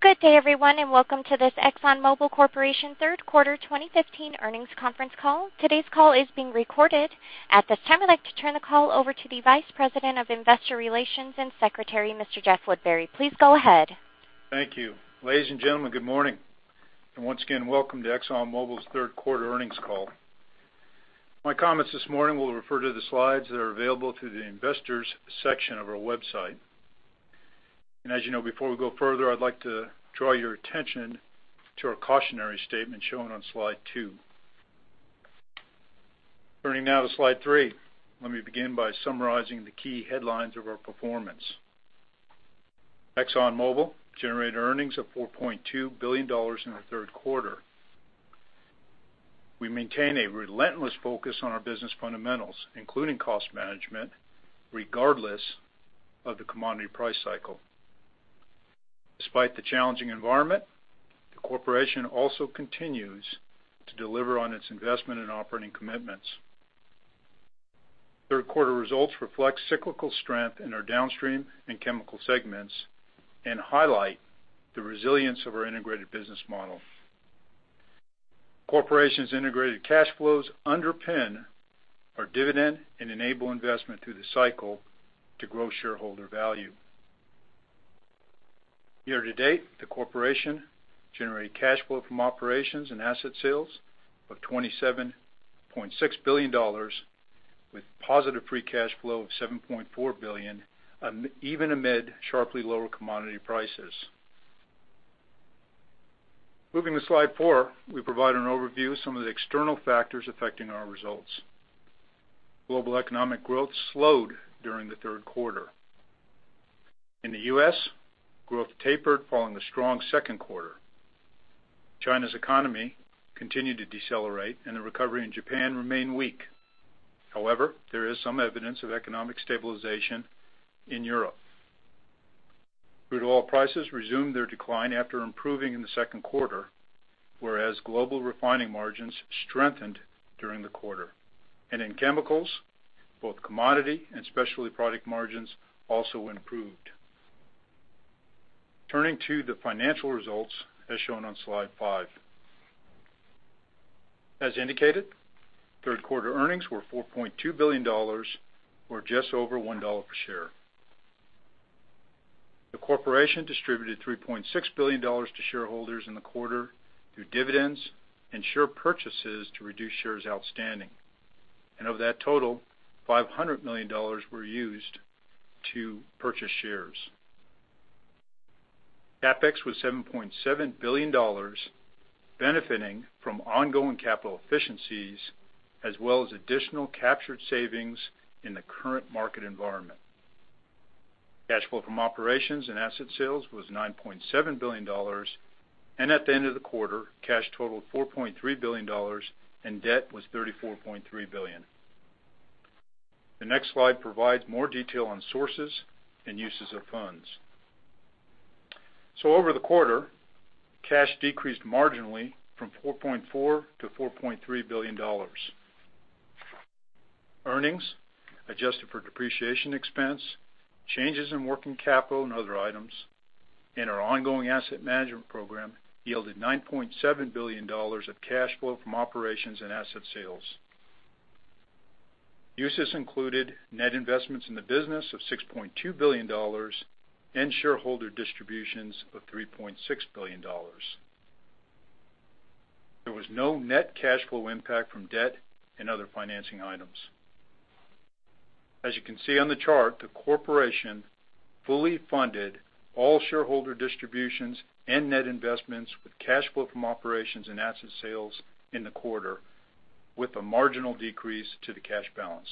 Good day everyone, welcome to this Exxon Mobil Corporation third quarter 2015 earnings conference call. Today's call is being recorded. At this time, I'd like to turn the call over to the Vice President of Investor Relations and Secretary, Mr. Jeff Woodbury. Please go ahead. Thank you. Ladies and gentlemen, good morning, once again, welcome to Exxon Mobil's third quarter earnings call. My comments this morning will refer to the slides that are available through the investors section of our website. As you know, before we go further, I'd like to draw your attention to our cautionary statement shown on slide two. Turning now to slide three. Let me begin by summarizing the key headlines of our performance. Exxon Mobil generated earnings of $4.2 billion in the third quarter. We maintain a relentless focus on our business fundamentals, including cost management, regardless of the commodity price cycle. Despite the challenging environment, the corporation also continues to deliver on its investment and operating commitments. Third quarter results reflect cyclical strength in our downstream and chemical segments and highlight the resilience of our integrated business model. Corporation's integrated cash flows underpin our dividend and enable investment through the cycle to grow shareholder value. Year to date, the corporation generated cash flow from operations and asset sales of $27.6 billion with positive free cash flow of $7.4 billion, even amid sharply lower commodity prices. Moving to slide four, we provide an overview of some of the external factors affecting our results. Global economic growth slowed during the third quarter. In the U.S., growth tapered following a strong second quarter. China's economy continued to decelerate and the recovery in Japan remained weak. However, there is some evidence of economic stabilization in Europe. Crude oil prices resumed their decline after improving in the second quarter, whereas global refining margins strengthened during the quarter. In chemicals, both commodity and specialty product margins also improved. Turning to the financial results as shown on slide five. As indicated, third quarter earnings were $4.2 billion, or just over $1 per share. The corporation distributed $3.6 billion to shareholders in the quarter through dividends and share purchases to reduce shares outstanding. Of that total, $500 million were used to purchase shares. CapEx was $7.7 billion, benefiting from ongoing capital efficiencies as well as additional captured savings in the current market environment. Cash flow from operations and asset sales was $9.7 billion, and at the end of the quarter, cash totaled $4.3 billion and debt was $34.3 billion. The next slide provides more detail on sources and uses of funds. Over the quarter, cash decreased marginally from $4.4 to $4.3 billion. Earnings adjusted for depreciation expense, changes in working capital and other items, and our ongoing asset management program yielded $9.7 billion of cash flow from operations and asset sales. Uses included net investments in the business of $6.2 billion and shareholder distributions of $3.6 billion. There was no net cash flow impact from debt and other financing items. As you can see on the chart, the corporation fully funded all shareholder distributions and net investments with cash flow from operations and asset sales in the quarter with a marginal decrease to the cash balance.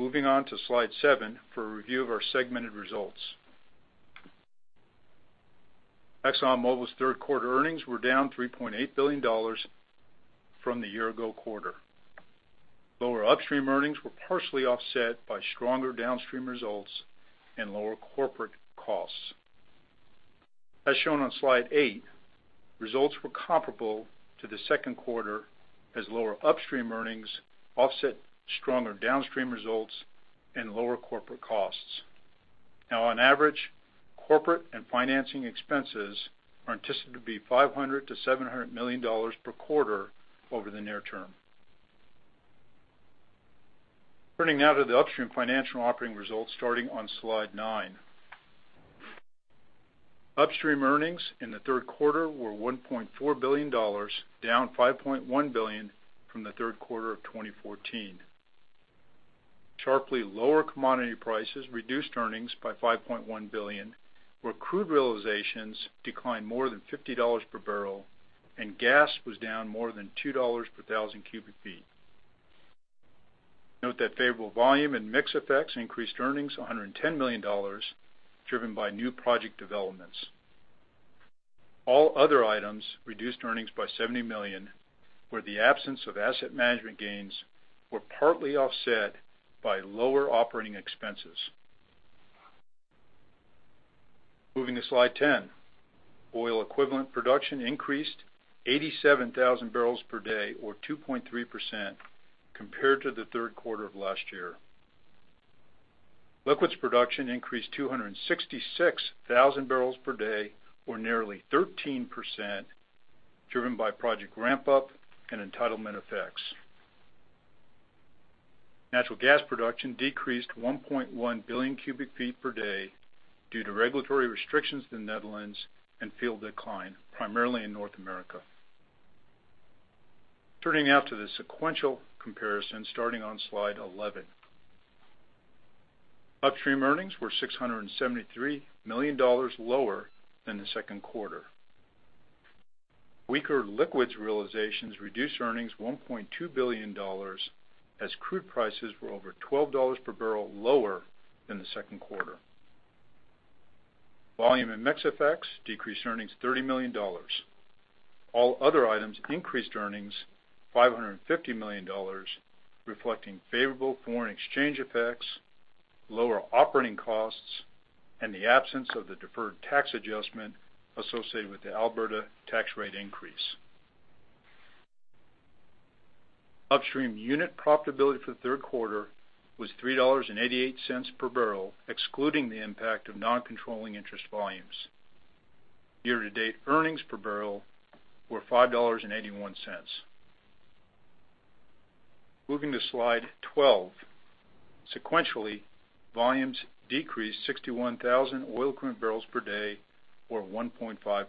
Moving on to slide seven for a review of our segmented results. ExxonMobil's third quarter earnings were down $3.8 billion from the year-ago quarter. Lower upstream earnings were partially offset by stronger downstream results and lower corporate costs. As shown on slide eight, results were comparable to the second quarter as lower upstream earnings offset stronger downstream results and lower corporate costs. On average, corporate and financing expenses are anticipated to be $500 million-$700 million per quarter over the near term. Turning now to the upstream financial operating results starting on slide nine. Upstream earnings in the third quarter were $1.4 billion, down $5.1 billion from the third quarter of 2014. Sharply lower commodity prices reduced earnings by $5.1 billion, where crude realizations declined more than $50 per barrel and gas was down more than $2 per thousand cubic feet. Note that favorable volume and mix effects increased earnings $110 million, driven by new project developments. All other items reduced earnings by $70 million, where the absence of asset management gains were partly offset by lower operating expenses. Moving to slide 10. Oil equivalent production increased 87,000 barrels per day, or 2.3%, compared to the third quarter of last year. Liquids production increased 266,000 barrels per day, or nearly 13%, driven by project ramp-up and entitlement effects. Natural gas production decreased 1.1 billion cubic feet per day due to regulatory restrictions in the Netherlands and field decline, primarily in North America. Turning now to the sequential comparison starting on slide 11. Upstream earnings were $673 million lower than the second quarter. Weaker liquids realizations reduced earnings $1.2 billion as crude prices were over $12 per barrel lower than the second quarter. Volume and mix effects decreased earnings $30 million. All other items increased earnings $550 million, reflecting favorable foreign exchange effects, lower operating costs, and the absence of the deferred tax adjustment associated with the Alberta tax rate increase. Upstream unit profitability for the third quarter was $3.88 per barrel, excluding the impact of non-controlling interest volumes. Year-to-date earnings per barrel were $5.81. Moving to slide 12. Sequentially, volumes decreased 61,000 oil equivalent barrels per day or 1.5%.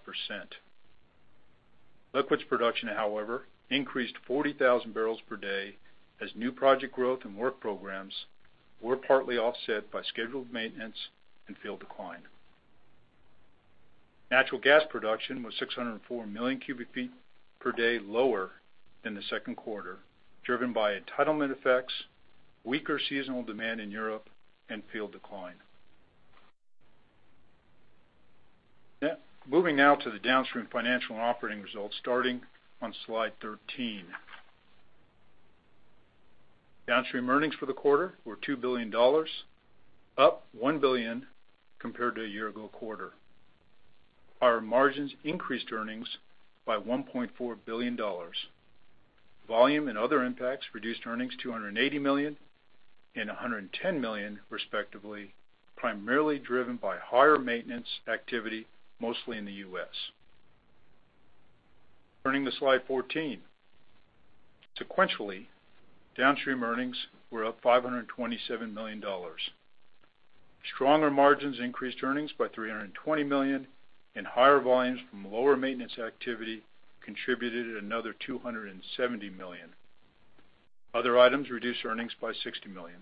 Liquids production, however, increased 40,000 barrels per day as new project growth and work programs were partly offset by scheduled maintenance and field decline. Natural gas production was 604 million cubic feet per day lower than the second quarter, driven by entitlement effects, weaker seasonal demand in Europe, and field decline. Moving now to the downstream financial and operating results starting on slide 13. Downstream earnings for the quarter were $2 billion, up $1 billion compared to a year-ago quarter. Our margins increased earnings by $1.4 billion. Volume and other impacts reduced earnings $280 million and $110 million respectively, primarily driven by higher maintenance activity, mostly in the U.S. Turning to slide 14. Sequentially, downstream earnings were up $527 million. Higher volumes from lower maintenance activity contributed another $270 million. Other items reduced earnings by $60 million.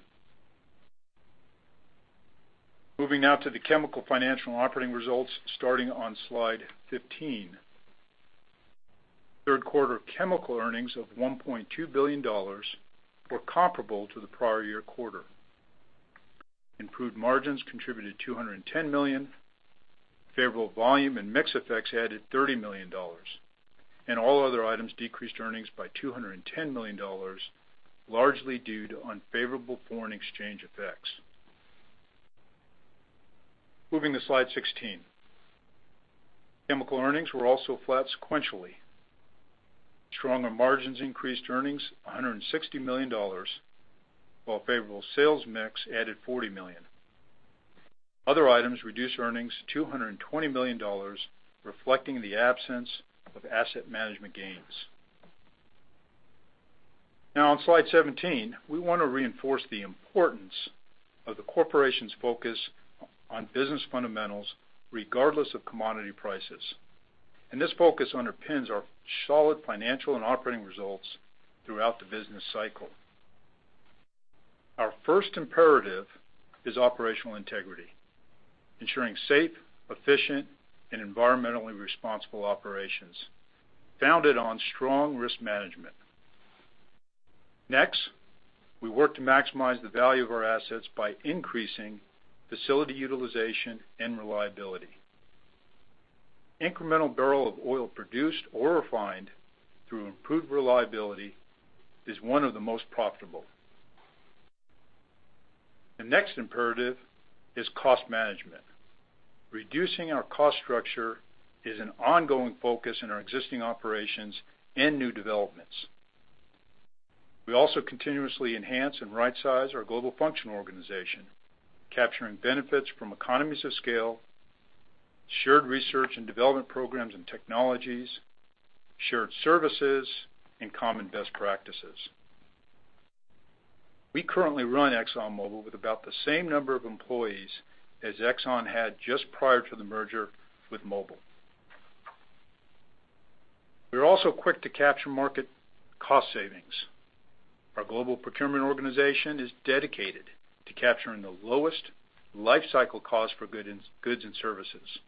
Moving now to the chemical financial and operating results starting on slide 15. Third quarter chemical earnings of $1.2 billion were comparable to the prior year quarter. Improved margins contributed $210 million, favorable volume and mix effects added $30 million. All other items decreased earnings by $210 million, largely due to unfavorable foreign exchange effects. Moving to slide 16. Chemical earnings were also flat sequentially. Stronger margins increased earnings $160 million, while favorable sales mix added $40 million. Other items reduced earnings $220 million, reflecting the absence of asset management gains. On slide 17, we want to reinforce the importance of the corporation's focus on business fundamentals regardless of commodity prices. This focus underpins our solid financial and operating results throughout the business cycle. Our first imperative is operational integrity, ensuring safe, efficient, and environmentally responsible operations founded on strong risk management. Next, we work to maximize the value of our assets by increasing facility utilization and reliability. Incremental barrel of oil produced or refined through improved reliability is one of the most profitable. The next imperative is cost management. Reducing our cost structure is an ongoing focus in our existing operations and new developments. We also continuously enhance and rightsize our global function organization, capturing benefits from economies of scale, shared research and development programs and technologies, shared services, and common best practices. We currently run ExxonMobil with about the same number of employees as Exxon had just prior to the merger with Mobil. We are also quick to capture market cost savings. Our global procurement organization is dedicated to capturing the lowest lifecycle cost for goods and services.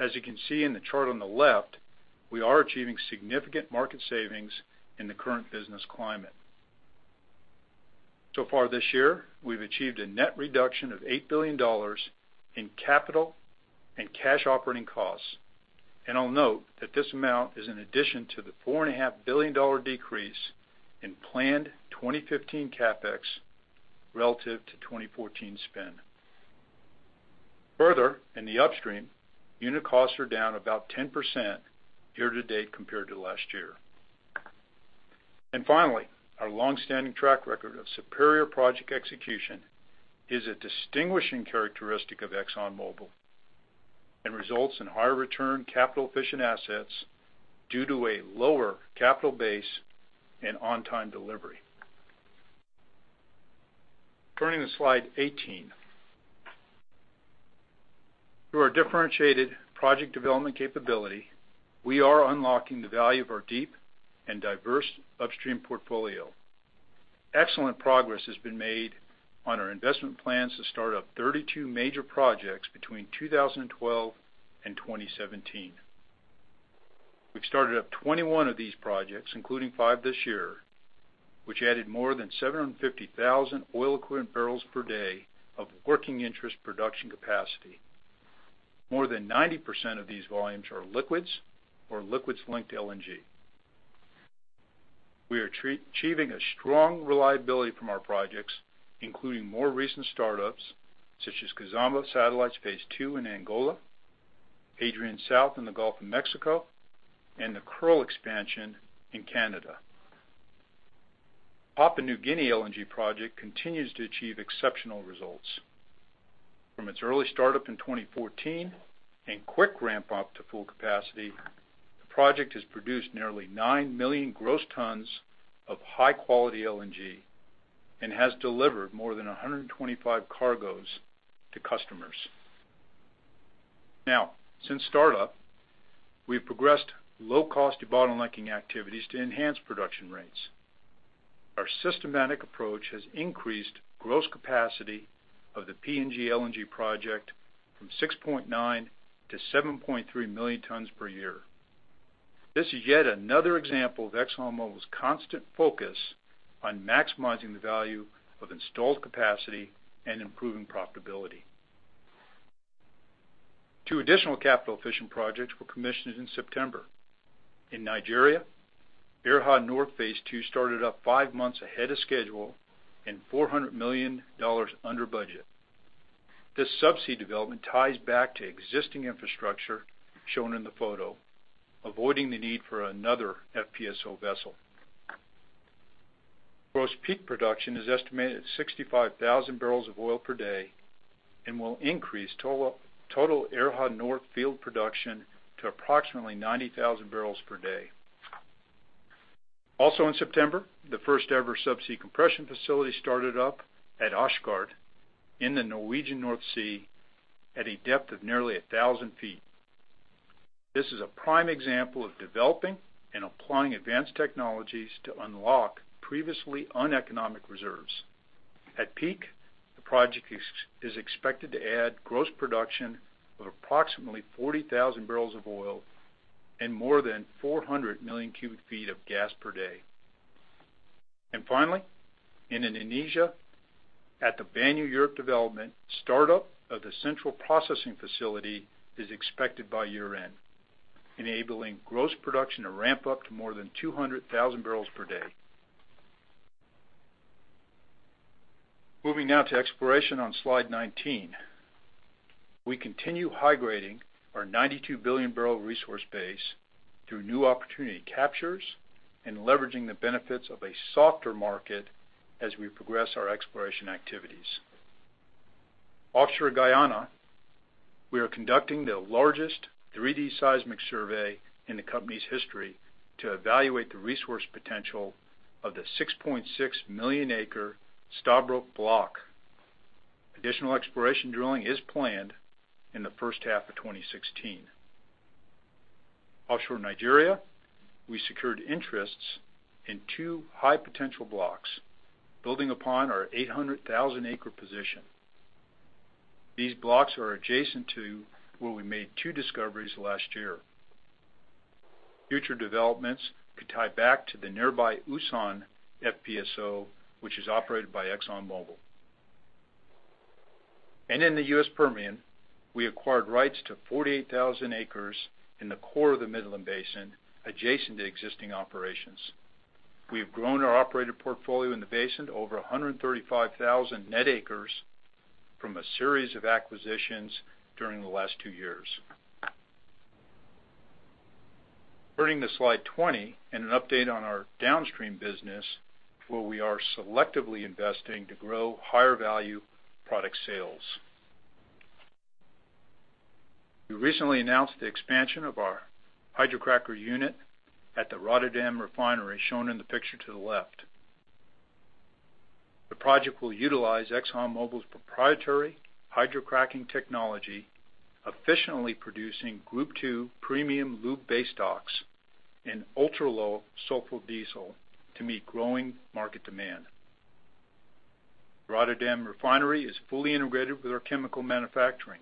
As you can see in the chart on the left, we are achieving significant market savings in the current business climate. Far this year, we've achieved a net reduction of $8 billion in capital and cash operating costs. I'll note that this amount is in addition to the $4.5 billion decrease in planned 2015 CapEx relative to 2014 spend. Further, in the upstream, unit costs are down about 10% year-to-date compared to last year. Finally, our longstanding track record of superior project execution is a distinguishing characteristic of ExxonMobil, and results in higher return capital-efficient assets due to a lower capital base and on-time delivery. Turning to slide 18. Through our differentiated project development capability, we are unlocking the value of our deep and diverse upstream portfolio. Excellent progress has been made on our investment plans to start up 32 major projects between 2012 and 2017. We've started up 21 of these projects, including five this year, which added more than 750,000 oil equivalent barrels per day of working interest production capacity. More than 90% of these volumes are liquids or liquids linked to LNG. We are achieving a strong reliability from our projects, including more recent startups such as Kizomba Satellites Phase Two in Angola, Hadrian South in the Gulf of Mexico, and the Kearl expansion in Canada. Papua New Guinea LNG project continues to achieve exceptional results. From its early start-up in 2014 and quick ramp-up to full capacity, the project has produced nearly nine million gross tons of high-quality LNG and has delivered more than 125 cargoes to customers. Since start-up, we've progressed low-cost bottlenecking activities to enhance production rates. Our systematic approach has increased gross capacity of the PNG LNG project from 6.9 to 7.3 million tons per year. This is yet another example of ExxonMobil's constant focus on maximizing the value of installed capacity and improving profitability. Two additional capital-efficient projects were commissioned in September. In Nigeria, Erha North Phase 2 started up five months ahead of schedule and $400 million under budget. This subsea development ties back to existing infrastructure shown in the photo, avoiding the need for another FPSO vessel. Gross peak production is estimated at 65,000 barrels of oil per day and will increase total Erha North Field production to approximately 90,000 barrels per day. Also in September, the first-ever subsea compression facility started up at Åsgard in the Norwegian North Sea at a depth of nearly 1,000 feet. This is a prime example of developing and applying advanced technologies to unlock previously uneconomic reserves. At peak, the project is expected to add gross production of approximately 40,000 barrels of oil and more than 400 million cubic feet of gas per day. Finally, in Indonesia at the Banyu Urip development, startup of the central processing facility is expected by year-end, enabling gross production to ramp up to more than 200,000 barrels per day. Moving now to exploration on slide 19. We continue high-grading our 92-billion-barrel resource base through new opportunity captures and leveraging the benefits of a softer market as we progress our exploration activities. Offshore Guyana, we are conducting the largest 3D seismic survey in the company's history to evaluate the resource potential of the 6.6-million-acre Stabroek Block. Additional exploration drilling is planned in the first half of 2016. Offshore Nigeria, we secured interests in two high-potential blocks, building upon our 800,000-acre position. These blocks are adjacent to where we made two discoveries last year. Future developments could tie back to the nearby Usan FPSO, which is operated by ExxonMobil. In the U.S. Permian, we acquired rights to 48,000 acres in the core of the Midland Basin adjacent to existing operations. We have grown our operator portfolio in the basin to over 135,000 net acres from a series of acquisitions during the last two years. Turning to slide 20 and an update on our downstream business, where we are selectively investing to grow higher-value product sales. We recently announced the expansion of our hydrocracker unit at the Rotterdam Refinery shown in the picture to the left. The project will utilize ExxonMobil's proprietary hydrocracking technology, efficiently producing Group 2 premium lube base stocks and ultra-low sulfur diesel to meet growing market demand. Rotterdam Refinery is fully integrated with our chemical manufacturing.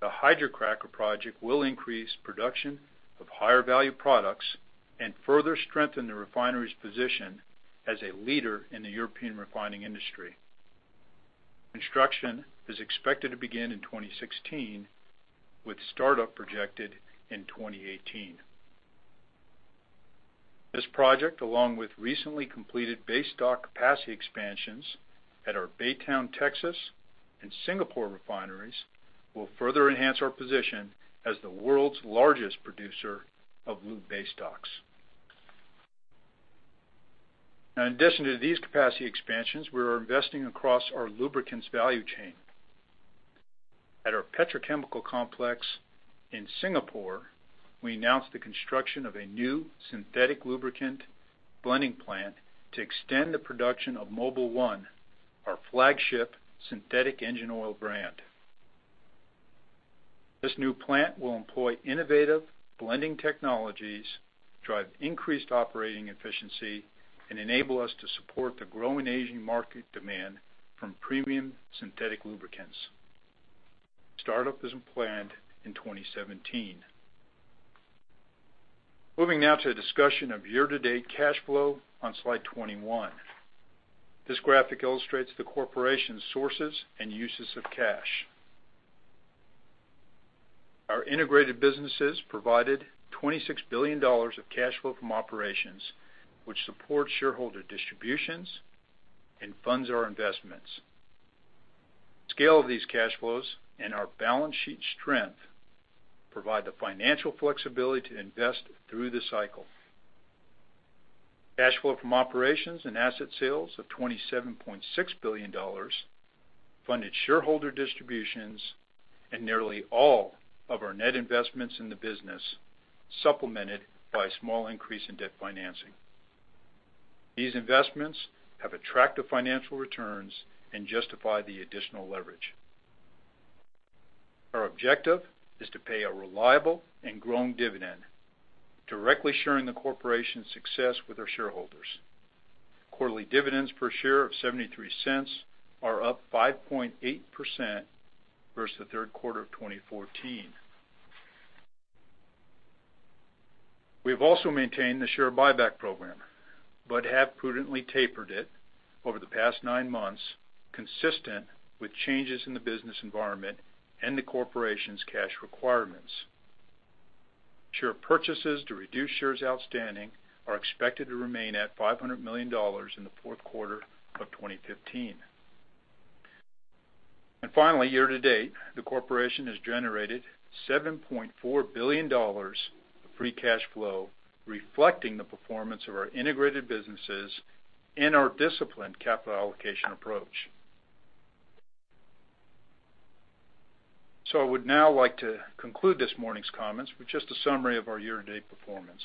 The hydrocracker project will increase production of higher-value products and further strengthen the refinery's position as a leader in the European refining industry. Construction is expected to begin in 2016, with startup projected in 2018. This project, along with recently completed base stock capacity expansions at our Baytown, Texas, and Singapore refineries, will further enhance our position as the world's largest producer of lube base stocks. In addition to these capacity expansions, we are investing across our lubricants value chain. At our petrochemical complex in Singapore, we announced the construction of a new synthetic lubricant blending plant to extend the production of Mobil 1, our flagship synthetic engine oil brand. This new plant will employ innovative blending technologies, drive increased operating efficiency, and enable us to support the growing Asian market demand from premium synthetic lubricants. Startup is planned in 2017. Moving now to a discussion of year-to-date cash flow on slide 21. This graphic illustrates the corporation's sources and uses of cash. Our integrated businesses provided $26 billion of cash flow from operations, which supports shareholder distributions and funds our investments. Scale of these cash flows and our balance sheet strength provide the financial flexibility to invest through the cycle. Cash flow from operations and asset sales of $27.6 billion funded shareholder distributions and nearly all of our net investments in the business, supplemented by a small increase in debt financing. These investments have attractive financial returns and justify the additional leverage. Our objective is to pay a reliable and growing dividend, directly sharing the corporation's success with our shareholders. Quarterly dividends per share of $0.73 are up 5.8% versus the third quarter of 2014. We have also maintained the share buyback program but have prudently tapered it over the past nine months, consistent with changes in the business environment and the corporation's cash requirements. Share purchases to reduce shares outstanding are expected to remain at $500 million in the fourth quarter of 2015. Finally, year-to-date, the corporation has generated $7.4 billion of free cash flow, reflecting the performance of our integrated businesses and our disciplined capital allocation approach. I would now like to conclude this morning's comments with just a summary of our year-to-date performance.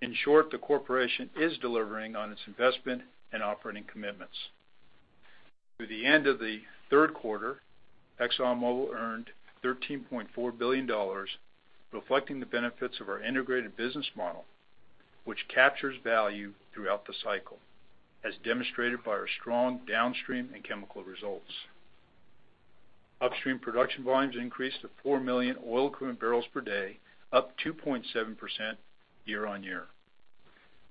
In short, the corporation is delivering on its investment and operating commitments. Through the end of the third quarter, ExxonMobil earned $13.4 billion, reflecting the benefits of our integrated business model, which captures value throughout the cycle, as demonstrated by our strong downstream and chemical results. Upstream production volumes increased to 4 million oil equivalent barrels per day, up 2.7% year-on-year.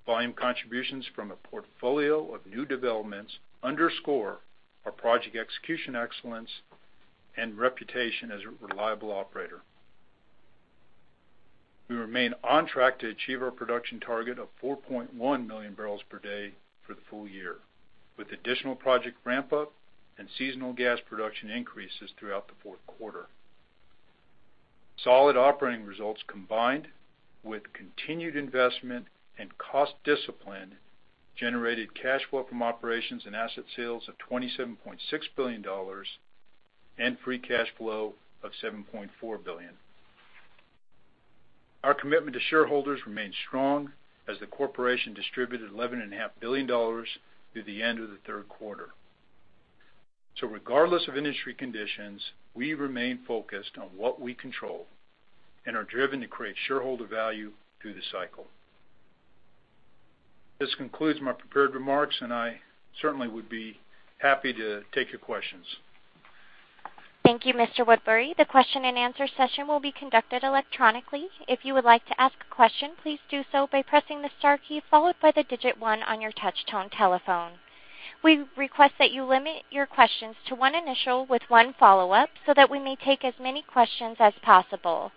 Volume contributions from a portfolio of new developments underscore our project execution excellence and reputation as a reliable operator. We remain on track to achieve our production target of 4.1 million barrels per day for the full year, with additional project ramp-up and seasonal gas production increases throughout the fourth quarter. Solid operating results combined with continued investment and cost discipline generated cash flow from operations and asset sales of $27.6 billion and free cash flow of $7.4 billion. Our commitment to shareholders remains strong as the corporation distributed $11.5 billion through the end of the third quarter. Regardless of industry conditions, we remain focused on what we control and are driven to create shareholder value through the cycle. This concludes my prepared remarks, and I certainly would be happy to take your questions. Thank you, Mr. Woodbury. The question and answer session will be conducted electronically. If you would like to ask a question, please do so by pressing the star key, followed by the digit 1 on your touchtone telephone. We request that you limit your questions to one initial with one follow-up so that we may take as many questions as possible.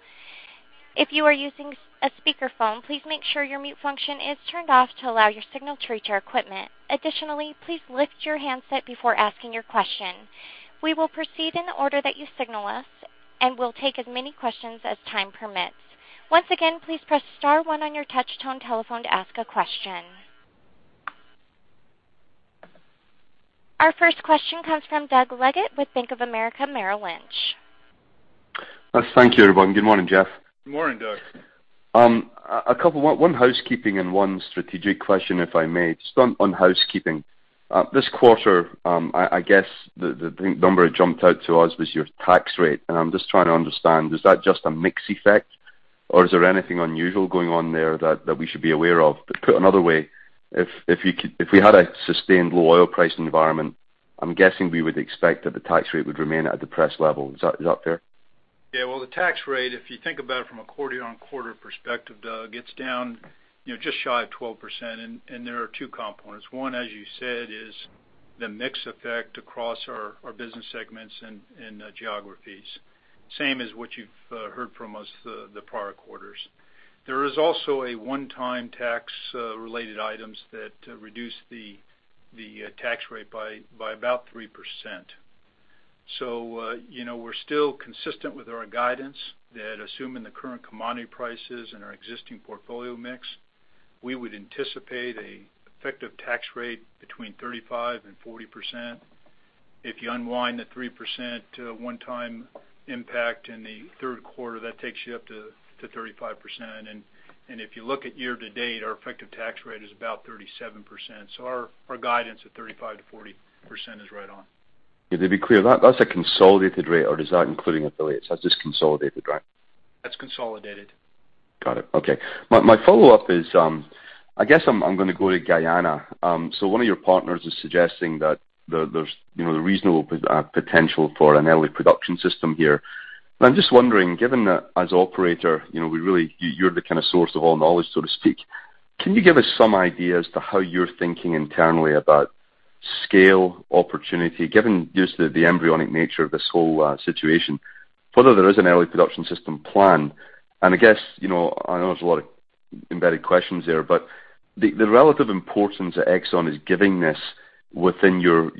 If you are using a speakerphone, please make sure your mute function is turned off to allow your signal to reach our equipment. Additionally, please lift your handset before asking your question. We will proceed in the order that you signal us and will take as many questions as time permits. Once again, please press star 1 on your touchtone telephone to ask a question. Our first question comes from Doug Leggate with Bank of America Merrill Lynch. Thank you, everyone. Good morning, Jeff. Good morning, Doug. One housekeeping and one strategic question, if I may. Just on housekeeping. This quarter, I guess the number that jumped out to us was your tax rate, and I'm just trying to understand, is that just a mix effect or is there anything unusual going on there that we should be aware of? Put another way, if we had a sustained low oil price environment, I'm guessing we would expect that the tax rate would remain at a depressed level. Is that fair? Yeah. Well, the tax rate, if you think about it from a quarter-on-quarter perspective, Doug, it's down just shy of 12%, and there are two components. One, as you said, is the mix effect across our business segments and geographies. Same as what you've heard from us the prior quarters. There is also a one-time tax-related items that reduce the tax rate by about 3%. We're still consistent with our guidance that assuming the current commodity prices and our existing portfolio mix, we would anticipate an effective tax rate between 35% and 40%. If you unwind the 3% one-time impact in the third quarter, that takes you up to 35%. If you look at year-to-date, our effective tax rate is about 37%. Our guidance of 35%-40% is right on. Yeah. To be clear, that's a consolidated rate or is that including affiliates? That's just consolidated, right? That's consolidated. Got it. Okay. My follow-up is, I guess I'm going to go to Guyana. One of your partners is suggesting that there's reasonable potential for an early production system here. I'm just wondering, given that as operator you're the source of all knowledge, so to speak. Can you give us some idea as to how you're thinking internally about scale opportunity, given just the embryonic nature of this whole situation? Further, there is an early production system plan. I guess, I know there's a lot of embedded questions there, but the relative importance that Exxon is giving this within your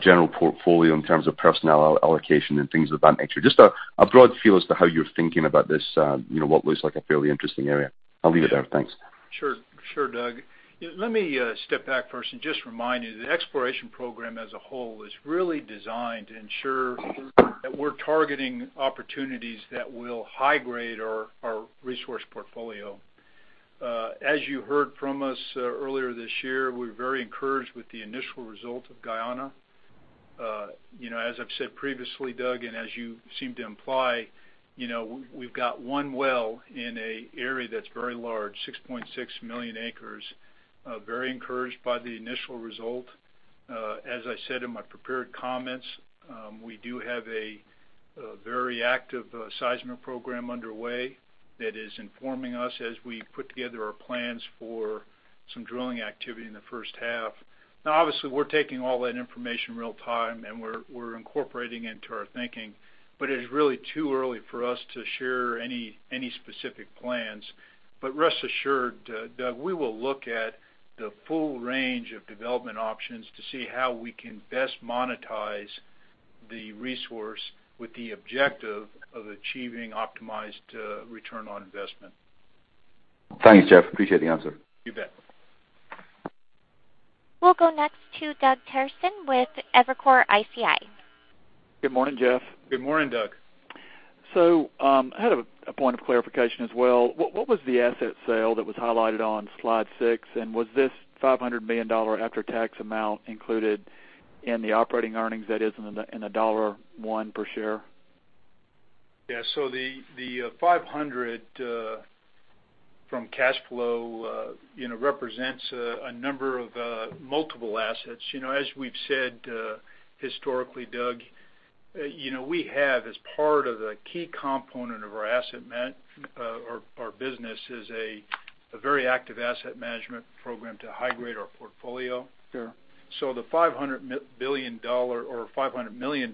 general portfolio in terms of personnel allocation and things of that nature. Just a broad feel as to how you're thinking about this what looks like a fairly interesting area. I'll leave it there. Thanks. Sure, Doug. Let me step back first and just remind you, the exploration program as a whole is really designed to ensure that we're targeting opportunities that will high grade our resource portfolio. As you heard from us earlier this year, we're very encouraged with the initial result of Guyana. As I've said previously, Doug, as you seem to imply, we've got one well in an area that's very large, 6.6 million acres. Very encouraged by the initial result. As I said in my prepared comments, we do have a very active seismic program underway that is informing us as we put together our plans for some drilling activity in the first half. Obviously, we're taking all that information real time, and we're incorporating into our thinking, but it is really too early for us to share any specific plans. rest assured, Doug, we will look at the full range of development options to see how we can best monetize the resource with the objective of achieving optimized return on investment. Thanks, Jeff. Appreciate the answer. You bet. We'll go next to Doug Terreson with Evercore ISI. Good morning, Jeff. Good morning, Doug. I had a point of clarification as well. What was the asset sale that was highlighted on slide six, and was this $500 million after-tax amount included in the operating earnings, that is in the $1.1 per share? The $500 from cash flow represents a number of multiple assets. As we've said historically, Doug, we have as part of the key component of our business is a very active asset management program to high grade our portfolio. Sure. The $500 million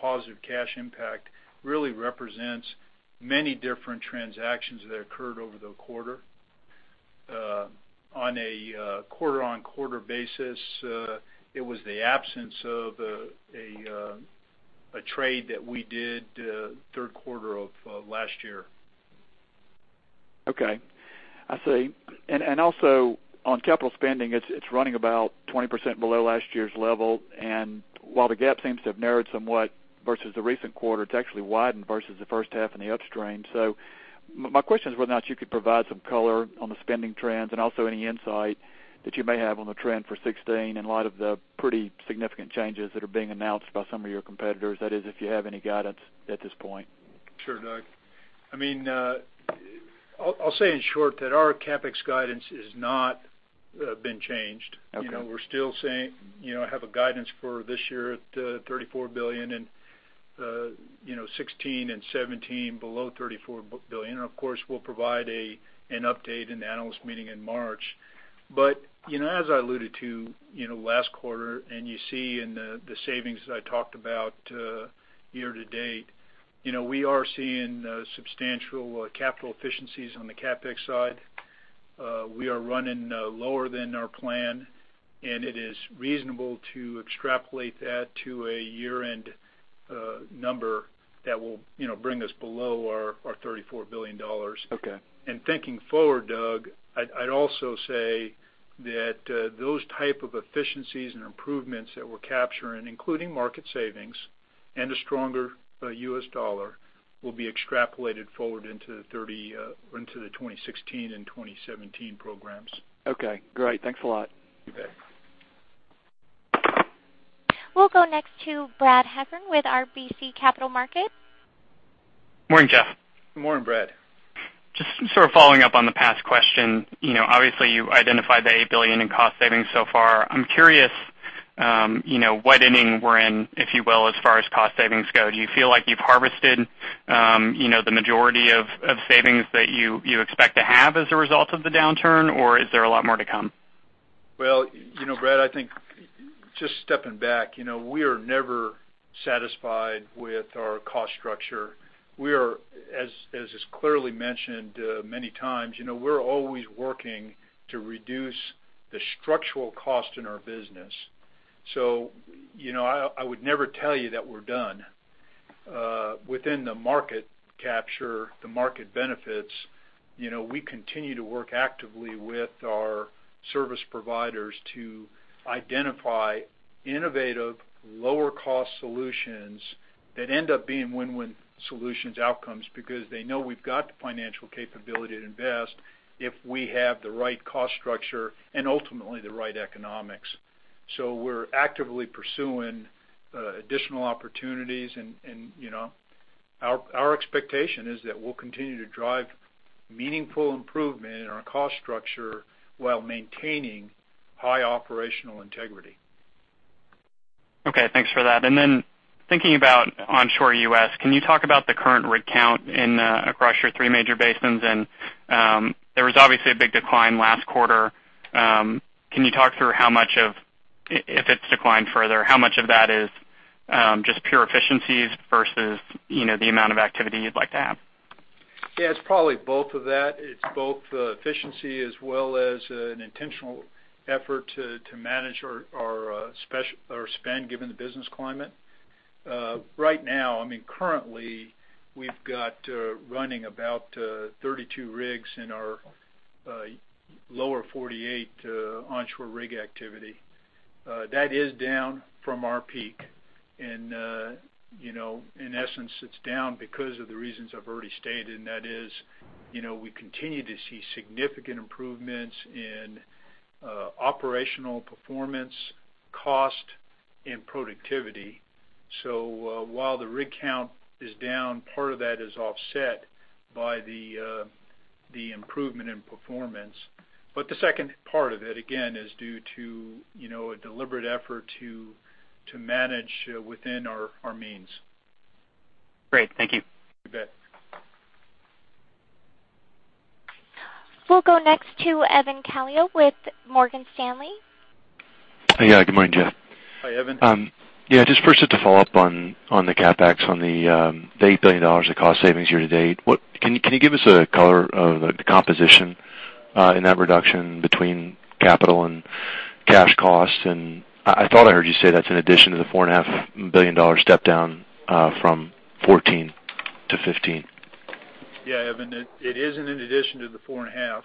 positive cash impact really represents many different transactions that occurred over the quarter. On a quarter-on-quarter basis, it was the absence of a trade that we did third quarter of last year. Okay. I see. Also on capital spending, it's running about 20% below last year's level. While the gap seems to have narrowed somewhat versus the recent quarter, it's actually widened versus the first half in the upstream. My question is whether or not you could provide some color on the spending trends and also any insight that you may have on the trend for 2016 in light of the pretty significant changes that are being announced by some of your competitors. That is, if you have any guidance at this point. Sure, Doug. I'll say in short that our CapEx guidance has not been changed. Okay. We're still saying have a guidance for this year at $34 billion, and 2016 and 2017 below $34 billion. Of course, we'll provide an update in the analyst meeting in March. As I alluded to last quarter and you see in the savings that I talked about year to date, we are seeing substantial capital efficiencies on the CapEx side. We are running lower than our plan, and it is reasonable to extrapolate that to a year-end number that will bring us below our $34 billion. Okay. Thinking forward, Doug, I'd also say that those type of efficiencies and improvements that we're capturing, including market savings and a stronger U.S. dollar, will be extrapolated forward into the 2016 and 2017 programs. Okay, great. Thanks a lot. You bet. We'll go next to Brad Heffern with RBC Capital Markets. Morning, Jeff. Morning, Brad. Following up on the past question. Obviously, you identified the $8 billion in cost savings so far. I'm curious, what inning we're in, if you will, as far as cost savings go. Do you feel like you've harvested the majority of savings that you expect to have as a result of the downturn, or is there a lot more to come? Brad, I think just stepping back, we are never satisfied with our cost structure. As is clearly mentioned many times, we're always working to reduce the structural cost in our business. I would never tell you that we're done. Within the market capture, the market benefits, we continue to work actively with our service providers to identify innovative, lower cost solutions that end up being win-win solutions outcomes because they know we've got the financial capability to invest if we have the right cost structure and ultimately the right economics. We're actively pursuing additional opportunities, our expectation is that we'll continue to drive meaningful improvement in our cost structure while maintaining high operational integrity. Okay. Thanks for that. Thinking about onshore U.S., can you talk about the current rig count across your three major basins? There was obviously a big decline last quarter. Can you talk through if it's declined further, how much of that is just pure efficiencies versus the amount of activity you'd like to have? Yeah, it's probably both of that. It's both efficiency as well as an intentional effort to manage our spend given the business climate. Right now, currently, we've got running about 32 rigs in our lower 48 onshore rig activity. That is down from our peak, in essence, it's down because of the reasons I've already stated, and that is, we continue to see significant improvements in operational performance, cost, and productivity. While the rig count is down, part of that is offset by the improvement in performance. The second part of it, again, is due to a deliberate effort to manage within our means. Great. Thank you. You bet. We'll go next to Evan Calio with Morgan Stanley. Yeah. Good morning, Jeff. Hi, Evan. Yeah, just first to follow up on the CapEx on the $8 billion of cost savings year to date. Can you give us a color of the composition in that reduction between capital and cash costs? I thought I heard you say that's in addition to the $4.5 billion step down from 2014 to 2015. Evan, it isn't in addition to the four and a half.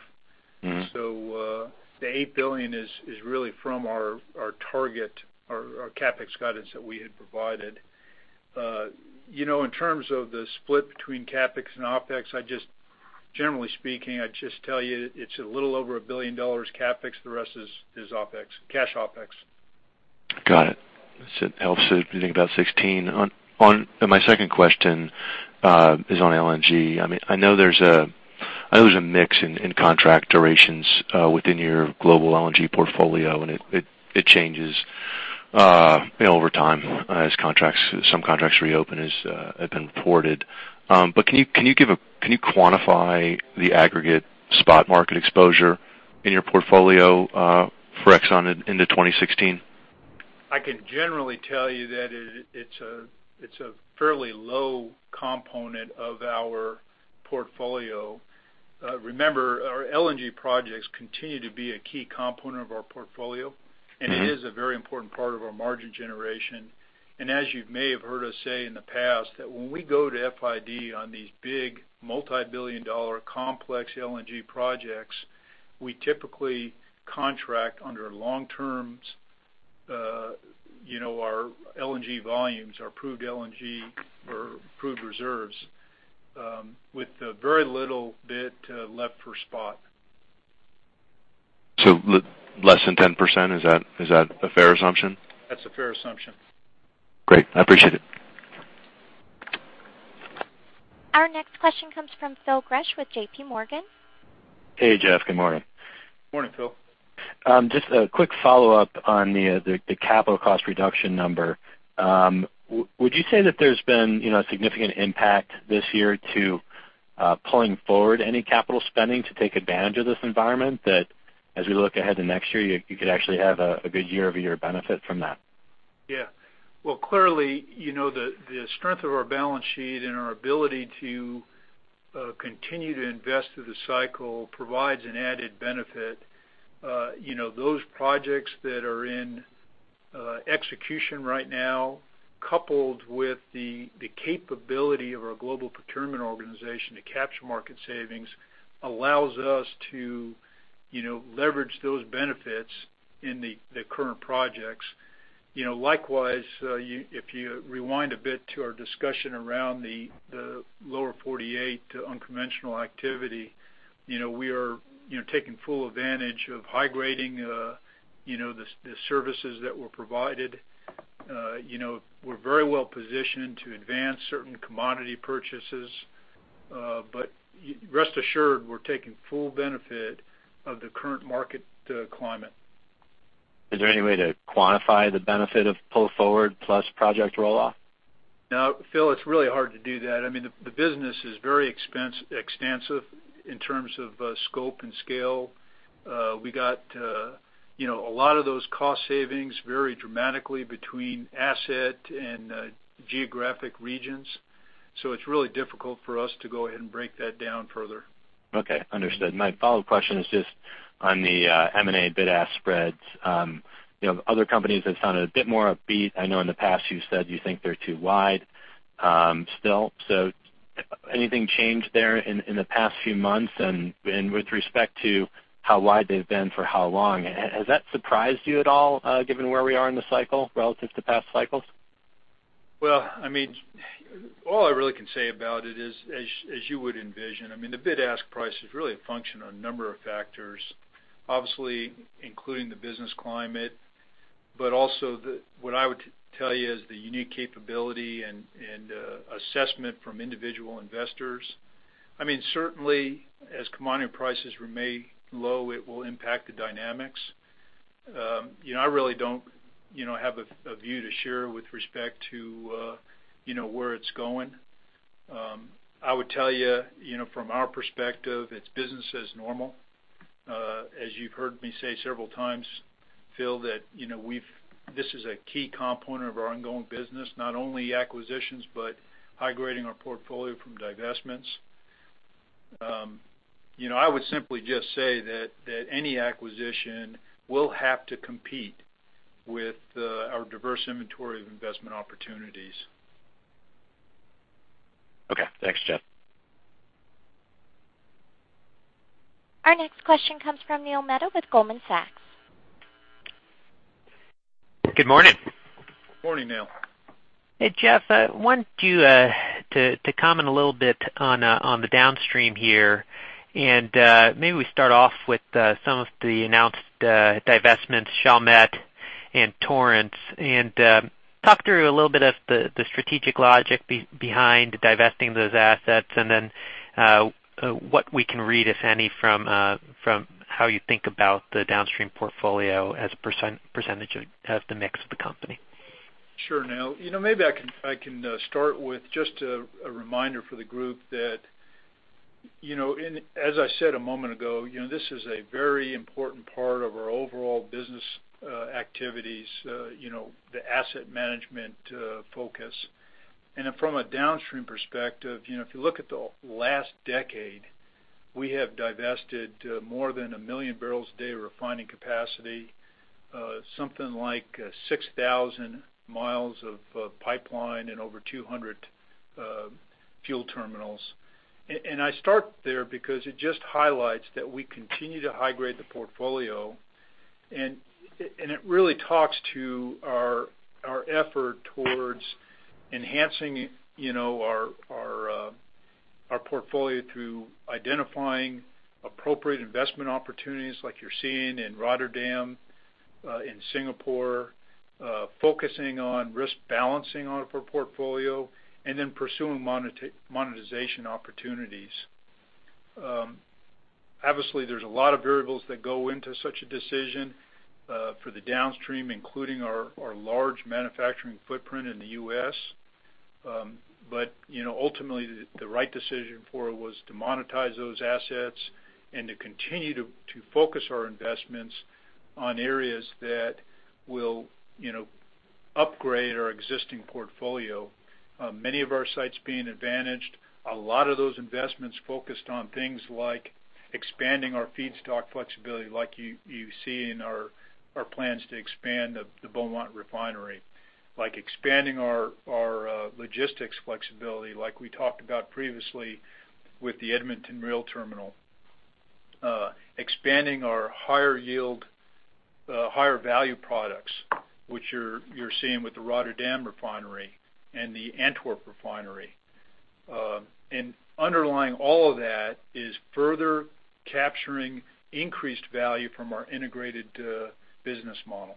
The $8 billion is really from our target, our CapEx guidance that we had provided. In terms of the split between CapEx and OpEx, generally speaking, I'd just tell you it's a little over $1 billion CapEx. The rest is OpEx, cash OpEx. Got it. It helps if you think about 2016. My second question is on LNG. I know there's a mix in contract durations within your global LNG portfolio, and it changes over time as some contracts reopen as have been reported. Can you quantify the aggregate spot market exposure in your portfolio for Exxon into 2016? I can generally tell you that it's a fairly low component of our portfolio. Remember, our LNG projects continue to be a key component of our portfolio, and it is a very important part of our margin generation. As you may have heard us say in the past, that when we go to FID on these big multibillion-dollar complex LNG projects, we typically contract under long terms our LNG volumes, our proved LNG or proved reserves with a very little bit left for spot. less than 10%, is that a fair assumption? That's a fair assumption. Great. I appreciate it. Our next question comes from Phil Gresh with J.P. Morgan. Hey, Jeff. Good morning. Morning, Phil. Just a quick follow-up on the capital cost reduction number. Would you say that there's been a significant impact this year to pulling forward any capital spending to take advantage of this environment that as we look ahead to next year, you could actually have a good year-over-year benefit from that? Yeah. Well, clearly, the strength of our balance sheet and our ability to continue to invest through the cycle provides an added benefit. Those projects that are in execution right now, coupled with the capability of our global procurement organization to capture market savings allows us to leverage those benefits in the current projects. Likewise, if you rewind a bit to our discussion around the lower 48 unconventional activity, we are taking full advantage of high-grading the services that were provided. We're very well positioned to advance certain commodity purchases. Rest assured, we're taking full benefit of the current market climate. Is there any way to quantify the benefit of pull forward plus project roll-off? No, Phil, it's really hard to do that. The business is very expansive in terms of scope and scale. We got a lot of those cost savings vary dramatically between asset and geographic regions. It's really difficult for us to go ahead and break that down further. Okay, understood. My follow-up question is just on the M&A bid-ask spreads. Other companies have sounded a bit more upbeat. I know in the past you said you think they're too wide still. Anything changed there in the past few months? With respect to how wide they've been for how long, has that surprised you at all given where we are in the cycle relative to past cycles? Well, all I really can say about it is, as you would envision, the bid-ask price is really a function of a number of factors, obviously including the business climate, also what I would tell you is the unique capability and assessment from individual investors. Certainly as commodity prices remain low, it will impact the dynamics. I really don't have a view to share with respect to where it's going. I would tell you from our perspective, it's business as normal. As you've heard me say several times, Phil, that this is a key component of our ongoing business. Not only acquisitions, but high-grading our portfolio from divestments. I would simply just say that any acquisition will have to compete with our diverse inventory of investment opportunities. Okay. Thanks, Jeff. Our next question comes from Neil Mehta with Goldman Sachs. Good morning. Morning, Neil. Hey, Jeff, I want you to comment a little bit on the downstream here. Maybe we start off with some of the announced divestments, Chalmette and Torrance, and talk through a little bit of the strategic logic behind divesting those assets, and then what we can read, if any, from how you think about the downstream portfolio as a % of the mix of the company. Sure, Neil. Maybe I can start with just a reminder for the group that, as I said a moment ago, this is a very important part of our overall business activities, the asset management focus. Then from a downstream perspective, if you look at the last decade, we have divested more than 1 million barrels a day refining capacity, something like 6,000 miles of pipeline, and over 200 fuel terminals. I start there because it just highlights that we continue to high-grade the portfolio, and it really talks to our effort towards enhancing our portfolio through identifying appropriate investment opportunities like you're seeing in Rotterdam, in Singapore, focusing on risk balancing of our portfolio, and then pursuing monetization opportunities. Obviously, there's a lot of variables that go into such a decision for the downstream, including our large manufacturing footprint in the U.S. Ultimately, the right decision for it was to monetize those assets and to continue to focus our investments on areas that will upgrade our existing portfolio. Many of our sites being advantaged, a lot of those investments focused on things like expanding our feedstock flexibility like you see in our plans to expand the Beaumont Refinery. Like expanding our logistics flexibility like we talked about previously with the Edmonton rail terminal. Expanding our higher yield, higher value products, which you're seeing with the Rotterdam Refinery and the Antwerp Refinery. Underlying all of that is further capturing increased value from our integrated business model.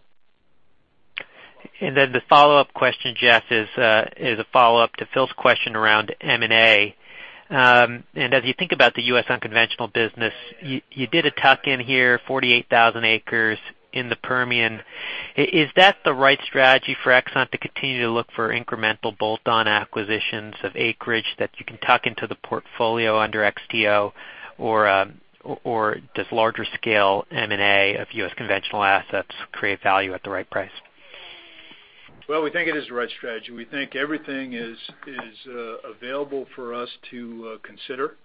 Then the follow-up question, Jeff, is a follow-up to Phil's question around M&A. As you think about the U.S. unconventional business, you did a tuck-in here, 48,000 acres in the Permian. Is that the right strategy for Exxon to continue to look for incremental bolt-on acquisitions of acreage that you can tuck into the portfolio under XTO? Or does larger scale M&A of U.S. conventional assets create value at the right price? Well, we think it is the right strategy. We think everything is available for us to consider.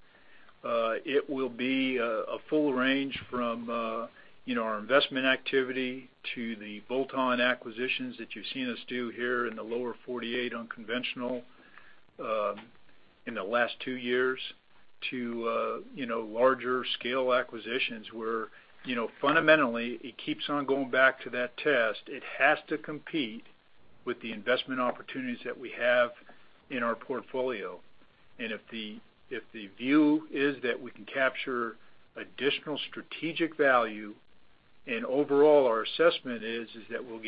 It will be a full range from our investment activity to the bolt-on acquisitions that you've seen us do here in the lower 48 unconventional in the last two years to larger scale acquisitions where fundamentally it keeps on going back to that test. It has to compete with the investment opportunities that we have in our portfolio. If the view is that we can capture additional strategic value and overall our assessment is that we'll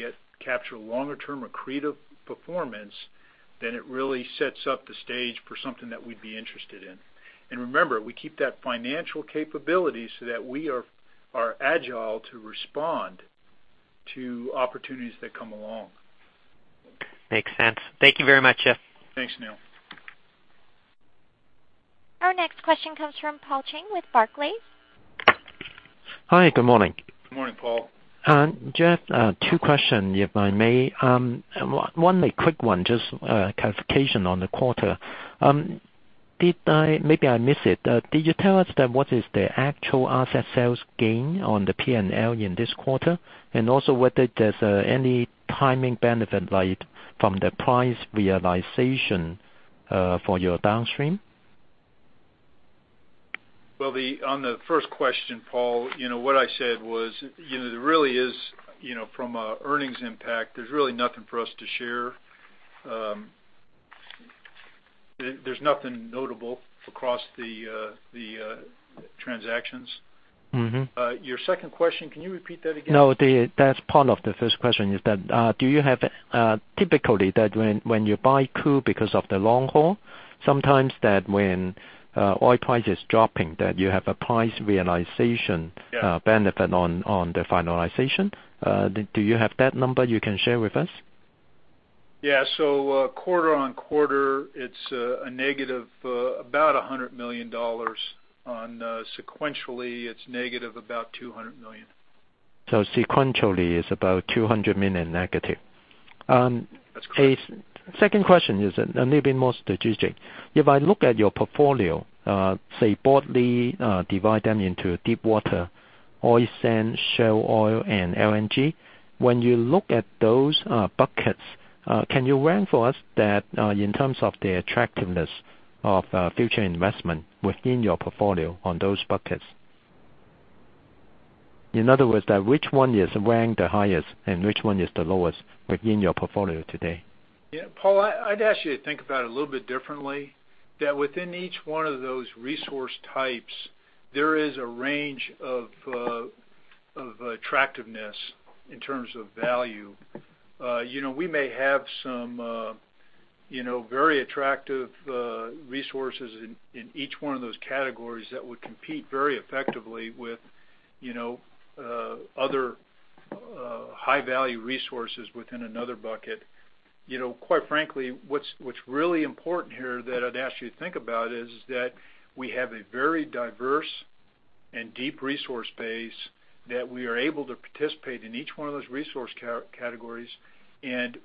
capture longer term accretive performance, then it really sets up the stage for something that we'd be interested in. Remember, we keep that financial capability so that we are agile to respond to opportunities that come along. Makes sense. Thank you very much, Jeff. Thanks, Neil. Our next question comes from Paul Cheng with Barclays. Hi, good morning. Good morning, Paul Cheng. Jeff Woodbury, two question, if I may. One quick one, just a clarification on the quarter. Maybe I missed it, did you tell us that what is the actual asset sales gain on the P&L in this quarter, and also whether there's any timing benefit from the price realization for your downstream? Well, on the first question, Paul Cheng, what I said was there really is from a earnings impact, there's really nothing for us to share. There's nothing notable across the transactions. Your second question, can you repeat that again? No, that's part of the first question, is that, do you have typically that when you buy crude because of the long haul, sometimes that when oil price is dropping, that you have a price realization- Yeah benefit on the finalization. Do you have that number you can share with us? Yeah. quarter-on-quarter, it's a negative about $100 million, on sequentially, it's negative about $200 million. Sequentially it's about $200 million negative. That's correct. Second question is a little bit more strategic. If I look at your portfolio, say broadly divide them into deep water, oil sands, shale oil, and LNG. When you look at those buckets, can you rank for us that in terms of the attractiveness of future investment within your portfolio on those buckets? In other words, which one is ranked the highest and which one is the lowest within your portfolio today? Paul, I'd ask you to think about it a little bit differently, that within each one of those resource types, there is a range of attractiveness in terms of value. We may have some very attractive resources in each one of those categories that would compete very effectively with other high-value resources within another bucket. Quite frankly, what's really important here that I'd ask you to think about is that we have a very diverse and deep resource base that we are able to participate in each one of those resource categories.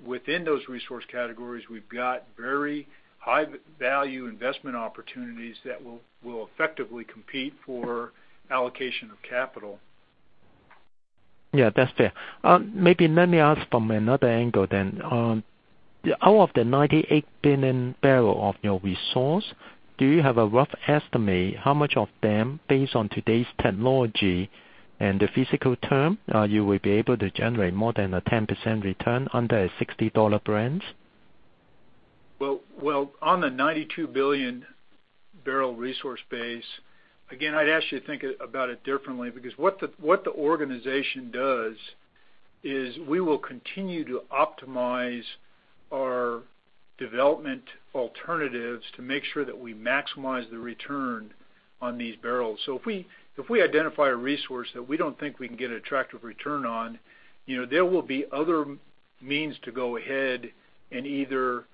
Within those resource categories, we've got very high value investment opportunities that will effectively compete for allocation of capital. Yeah, that's fair. Maybe let me ask from another angle then. Out of the 98 billion barrels of your resource, do you have a rough estimate how much of them, based on today's technology and the fiscal term you will be able to generate more than a 10% return under a $60 Brent? Well, on the 92 billion barrels resource base, again, I'd ask you to think about it differently because what the organization does is we will continue to optimize our development alternatives to make sure that we maximize the return on these barrels. If we identify a resource that we don't think we can get attractive return on, there will be other means to go ahead and either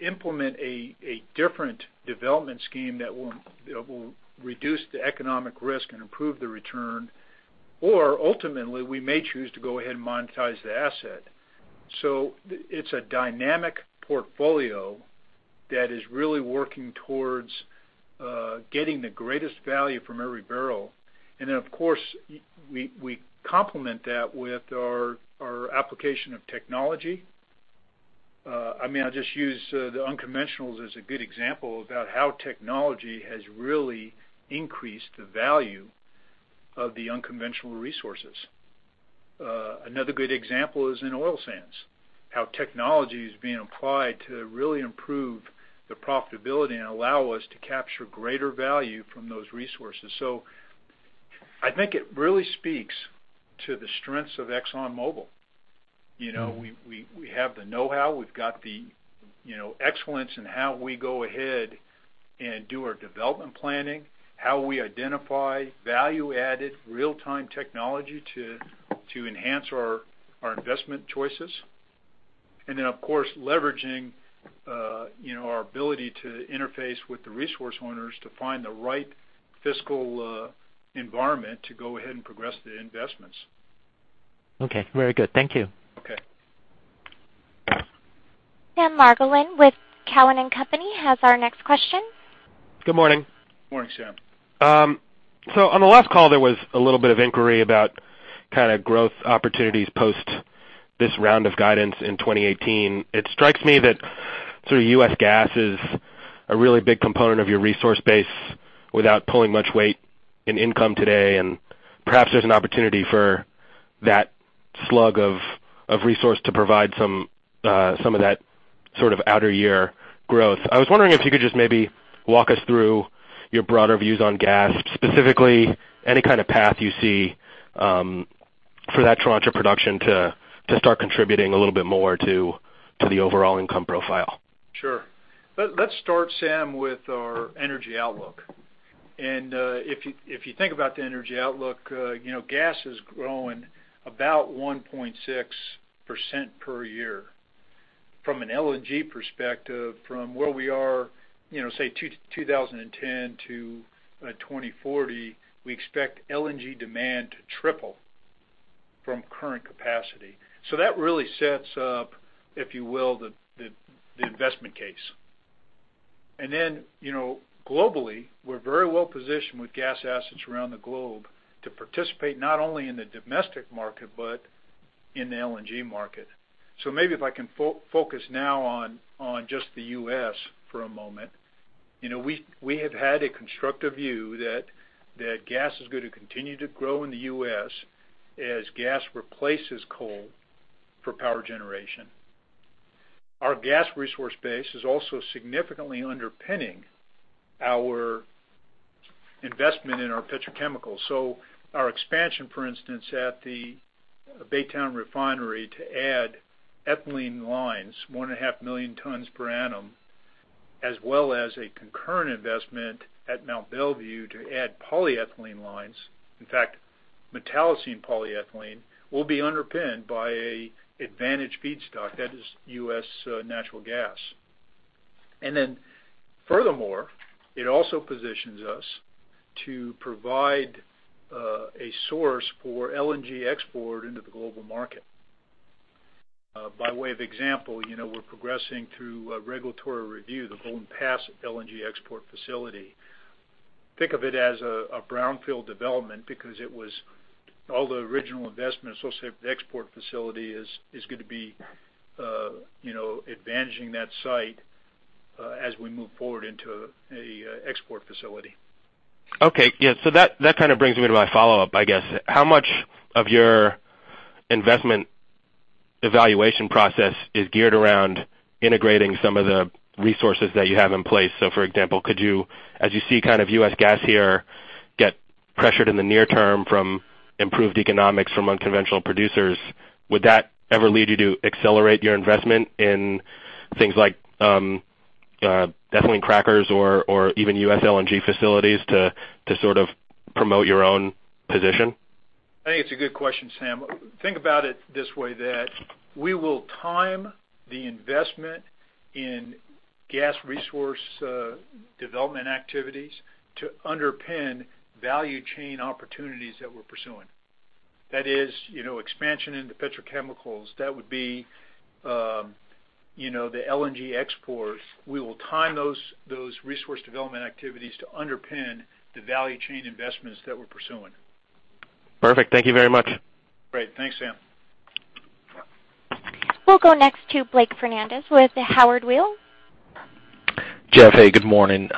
implement a different development scheme that will reduce the economic risk and improve the return. Ultimately, we may choose to go ahead and monetize the asset. It's a dynamic portfolio that is really working towards getting the greatest value from every barrel. Of course, we complement that with our application of technology. I'll just use the unconventionals as a good example about how technology has really increased the value of the unconventional resources. Another good example is in oil sands, how technology is being applied to really improve the profitability and allow us to capture greater value from those resources. I think it really speaks to the strengths of ExxonMobil. We have the know-how, we've got the excellence in how we go ahead and do our development planning, how we identify value-added real-time technology to enhance our investment choices, and then of course, leveraging our ability to interface with the resource owners to find the right fiscal environment to go ahead and progress the investments. Okay. Very good. Thank you. Okay. Sam Margolin with Cowen and Company has our next question. Good morning. Morning, Sam. On the last call, there was a little bit of inquiry about kind of growth opportunities post this round of guidance in 2018. It strikes me that sort of U.S. gas is a really big component of your resource base without pulling much weight in income today, and perhaps there's an opportunity for Slug of resource to provide some of that sort of outer year growth. I was wondering if you could just maybe walk us through your broader views on gas, specifically any kind of path you see for that tranche of production to start contributing a little bit more to the overall income profile. Sure. Let's start, Sam, with our energy outlook. If you think about the energy outlook, gas is growing about 1.6% per year. From an LNG perspective, from where we are, say, 2010 to 2040, we expect LNG demand to triple from current capacity. That really sets up, if you will, the investment case. Globally, we're very well-positioned with gas assets around the globe to participate not only in the domestic market but in the LNG market. Maybe if I can focus now on just the U.S. for a moment. We have had a constructive view that gas is going to continue to grow in the U.S. as gas replaces coal for power generation. Our gas resource base is also significantly underpinning our investment in our petrochemicals. Our expansion, for instance, at the Baytown Refinery to add ethylene lines, one and a half million tons per annum, as well as a concurrent investment at Mont Belvieu to add polyethylene lines. In fact, metallocene polyethylene will be underpinned by an advantage feedstock that is U.S. natural gas. Furthermore, it also positions us to provide a source for LNG export into the global market. By way of example, we're progressing through regulatory review the Golden Pass LNG export facility. Think of it as a brownfield development because all the original investment associated with the export facility is going to be advantaging that site as we move forward into an export facility. Okay. Yeah. That kind of brings me to my follow-up, I guess. How much of your investment evaluation process is geared around integrating some of the resources that you have in place? For example, as you see kind of U.S. gas here get pressured in the near term from improved economics from unconventional producers, would that ever lead you to accelerate your investment in things like ethylene crackers or even U.S. LNG facilities to sort of promote your own position? I think it's a good question, Sam. Think about it this way, that we will time the investment in gas resource development activities to underpin value chain opportunities that we're pursuing. That is, expansion into petrochemicals. That would be the LNG export. We will time those resource development activities to underpin the value chain investments that we're pursuing. Perfect. Thank you very much. Great. Thanks, Sam. We'll go next to Blake Fernandez with Howard Weil. Jeff, hey, good morning.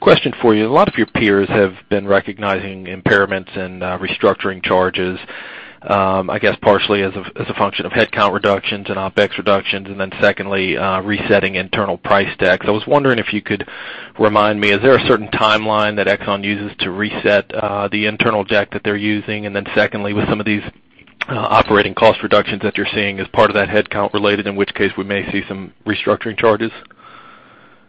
Question for you. A lot of your peers have been recognizing impairments and restructuring charges, I guess partially as a function of headcount reductions and OpEx reductions, and then secondly, resetting internal price decks. I was wondering if you could remind me, is there a certain timeline that Exxon uses to reset the internal deck that they're using? Secondly, with some of these operating cost reductions that you're seeing as part of that headcount related, in which case we may see some restructuring charges?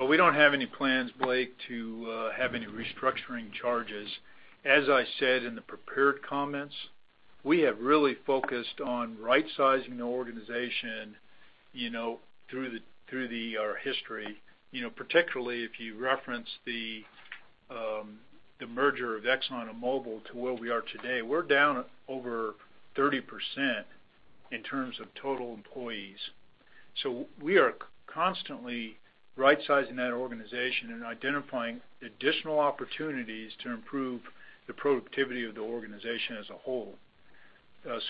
We don't have any plans, Blake, to have any restructuring charges. As I said in the prepared comments, we have really focused on right-sizing the organization through our history. Particularly if you reference the merger of Exxon and Mobil to where we are today, we're down over 30% in terms of total employees. We are constantly right-sizing that organization and identifying additional opportunities to improve the productivity of the organization as a whole.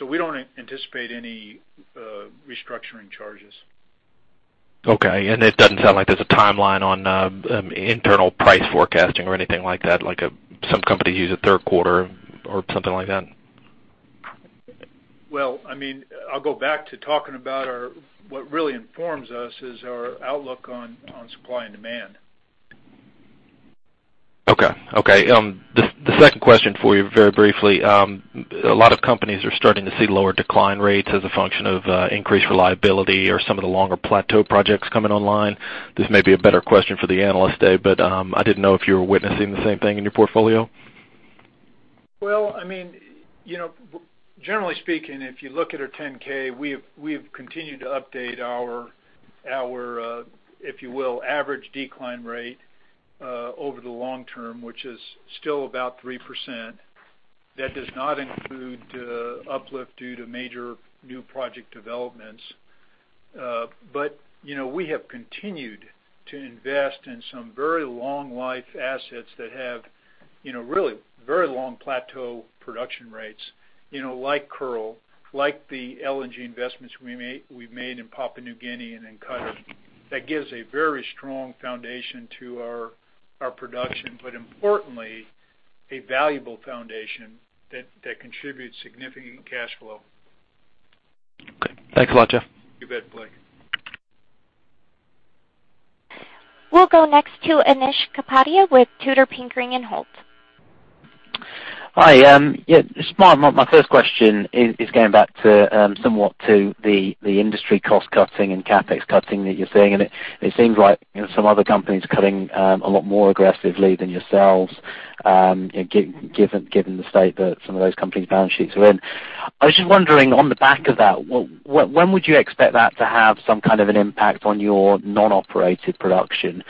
We don't anticipate any restructuring charges. Okay, it doesn't sound like there's a timeline on internal price forecasting or anything like that, like some companies use a third quarter or something like that? I'll go back to talking about what really informs us is our outlook on supply and demand. Okay. The second question for you, very briefly. A lot of companies are starting to see lower decline rates as a function of increased reliability or some of the longer plateau projects coming online. This may be a better question for the Analyst Day, I didn't know if you were witnessing the same thing in your portfolio. Well, generally speaking, if you look at our 10-K, we have continued to update our, if you will, average decline rate over the long term, which is still about 3%. That does not include uplift due to major new project developments. We have continued to invest in some very long life assets that have really very long plateau production rates like Kearl, like the LNG investments we've made in Papua New Guinea and in Qatar. That gives a very strong foundation to our production, but importantly, a valuable foundation that contributes significant cash flow. Okay. Thanks a lot, Jeff. We'll go next to Anish Kapadia with Tudor, Pickering, Holt & Co. Hi. Yeah, just my first question is going back somewhat to the industry cost cutting and CapEx cutting that you're seeing, and it seems like some other companies are cutting a lot more aggressively than yourselves, given the state that some of those companies' balance sheets are in. I was just wondering on the back of that, when would you expect that to have some kind of an impact on your non-operated production,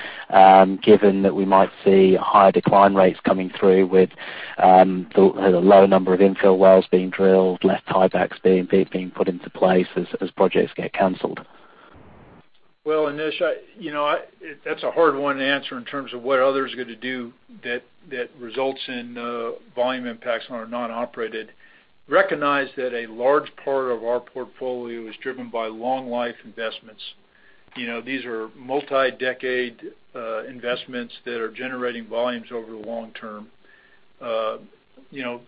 given that we might see higher decline rates coming through with the low number of infill wells being drilled, less tiebacks being put into place as projects get canceled? Well, Anish, that's a hard one to answer in terms of what others are going to do that results in volume impacts on our non-operated. Recognize that a large part of our portfolio is driven by long life investments. These are multi-decade investments that are generating volumes over the long term.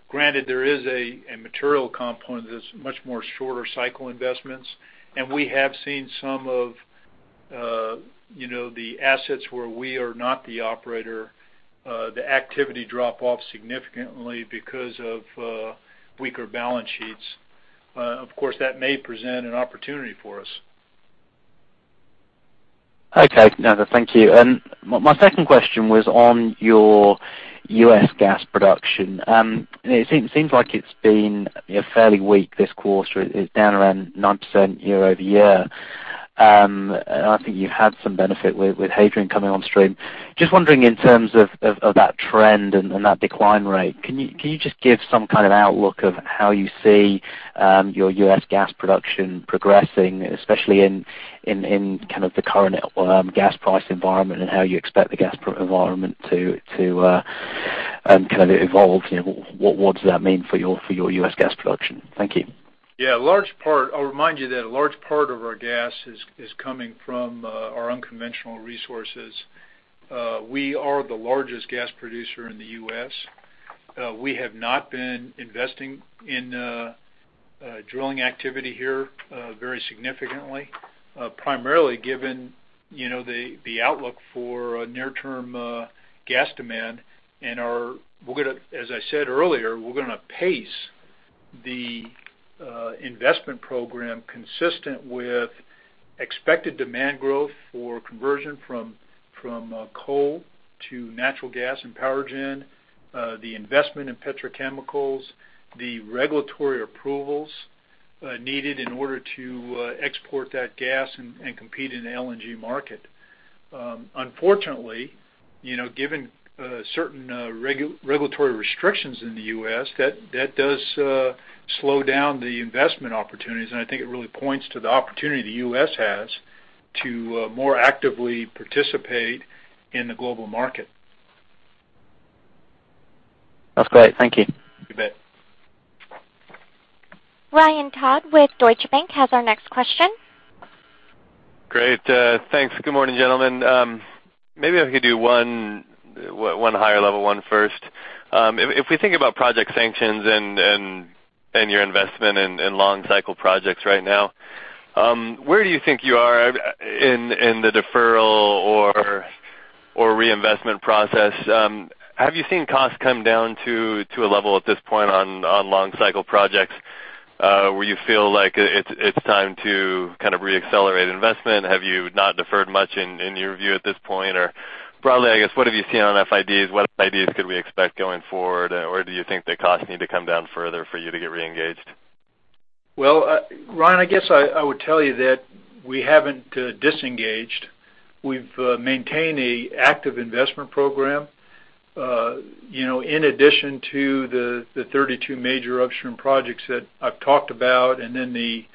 Granted, there is a material component that's much more shorter cycle investments, and we have seen some of the assets where we are not the operator, the activity drop off significantly because of weaker balance sheets. Of course, that may present an opportunity for us. Okay. No, thank you. My second question was on your U.S. gas production. It seems like it's been fairly weak this quarter. It's down around 9% year-over-year. I think you had some benefit with Hadrian coming on stream. Just wondering in terms of that trend and that decline rate, can you just give some kind of outlook of how you see your U.S. gas production progressing, especially in kind of the current gas price environment, and how you expect the gas environment to kind of evolve? What does that mean for your U.S. gas production? Thank you. Yeah. I'll remind you that a large part of our gas is coming from our unconventional resources. We are the largest gas producer in the U.S. We have not been investing in drilling activity here very significantly, primarily given the outlook for near term gas demand. We're going to, as I said earlier, we're going to pace the investment program consistent with expected demand growth for conversion from coal to natural gas and power gen, the investment in petrochemicals, the regulatory approvals needed in order to export that gas and compete in the LNG market. Unfortunately, given certain regulatory restrictions in the U.S., that does slow down the investment opportunities. I think it really points to the opportunity the U.S. has to more actively participate in the global market. That's great. Thank you. You bet. Ryan Todd with Deutsche Bank has our next question. Great, thanks. Good morning, gentlemen. Maybe I could do one higher level one first. If we think about project sanctions and your investment in long cycle projects right now, where do you think you are in the deferral or reinvestment process? Have you seen costs come down to a level at this point on long cycle projects, where you feel like it's time to kind of re-accelerate investment? Have you not deferred much in your view at this point? Broadly, I guess, what have you seen on FIDs? What FIDs could we expect going forward? Do you think the costs need to come down further for you to get re-engaged? Ryan, I guess I would tell you that we haven't disengaged. We've maintained a active investment program. In addition to the 32 major upstream projects that I've talked about, and then the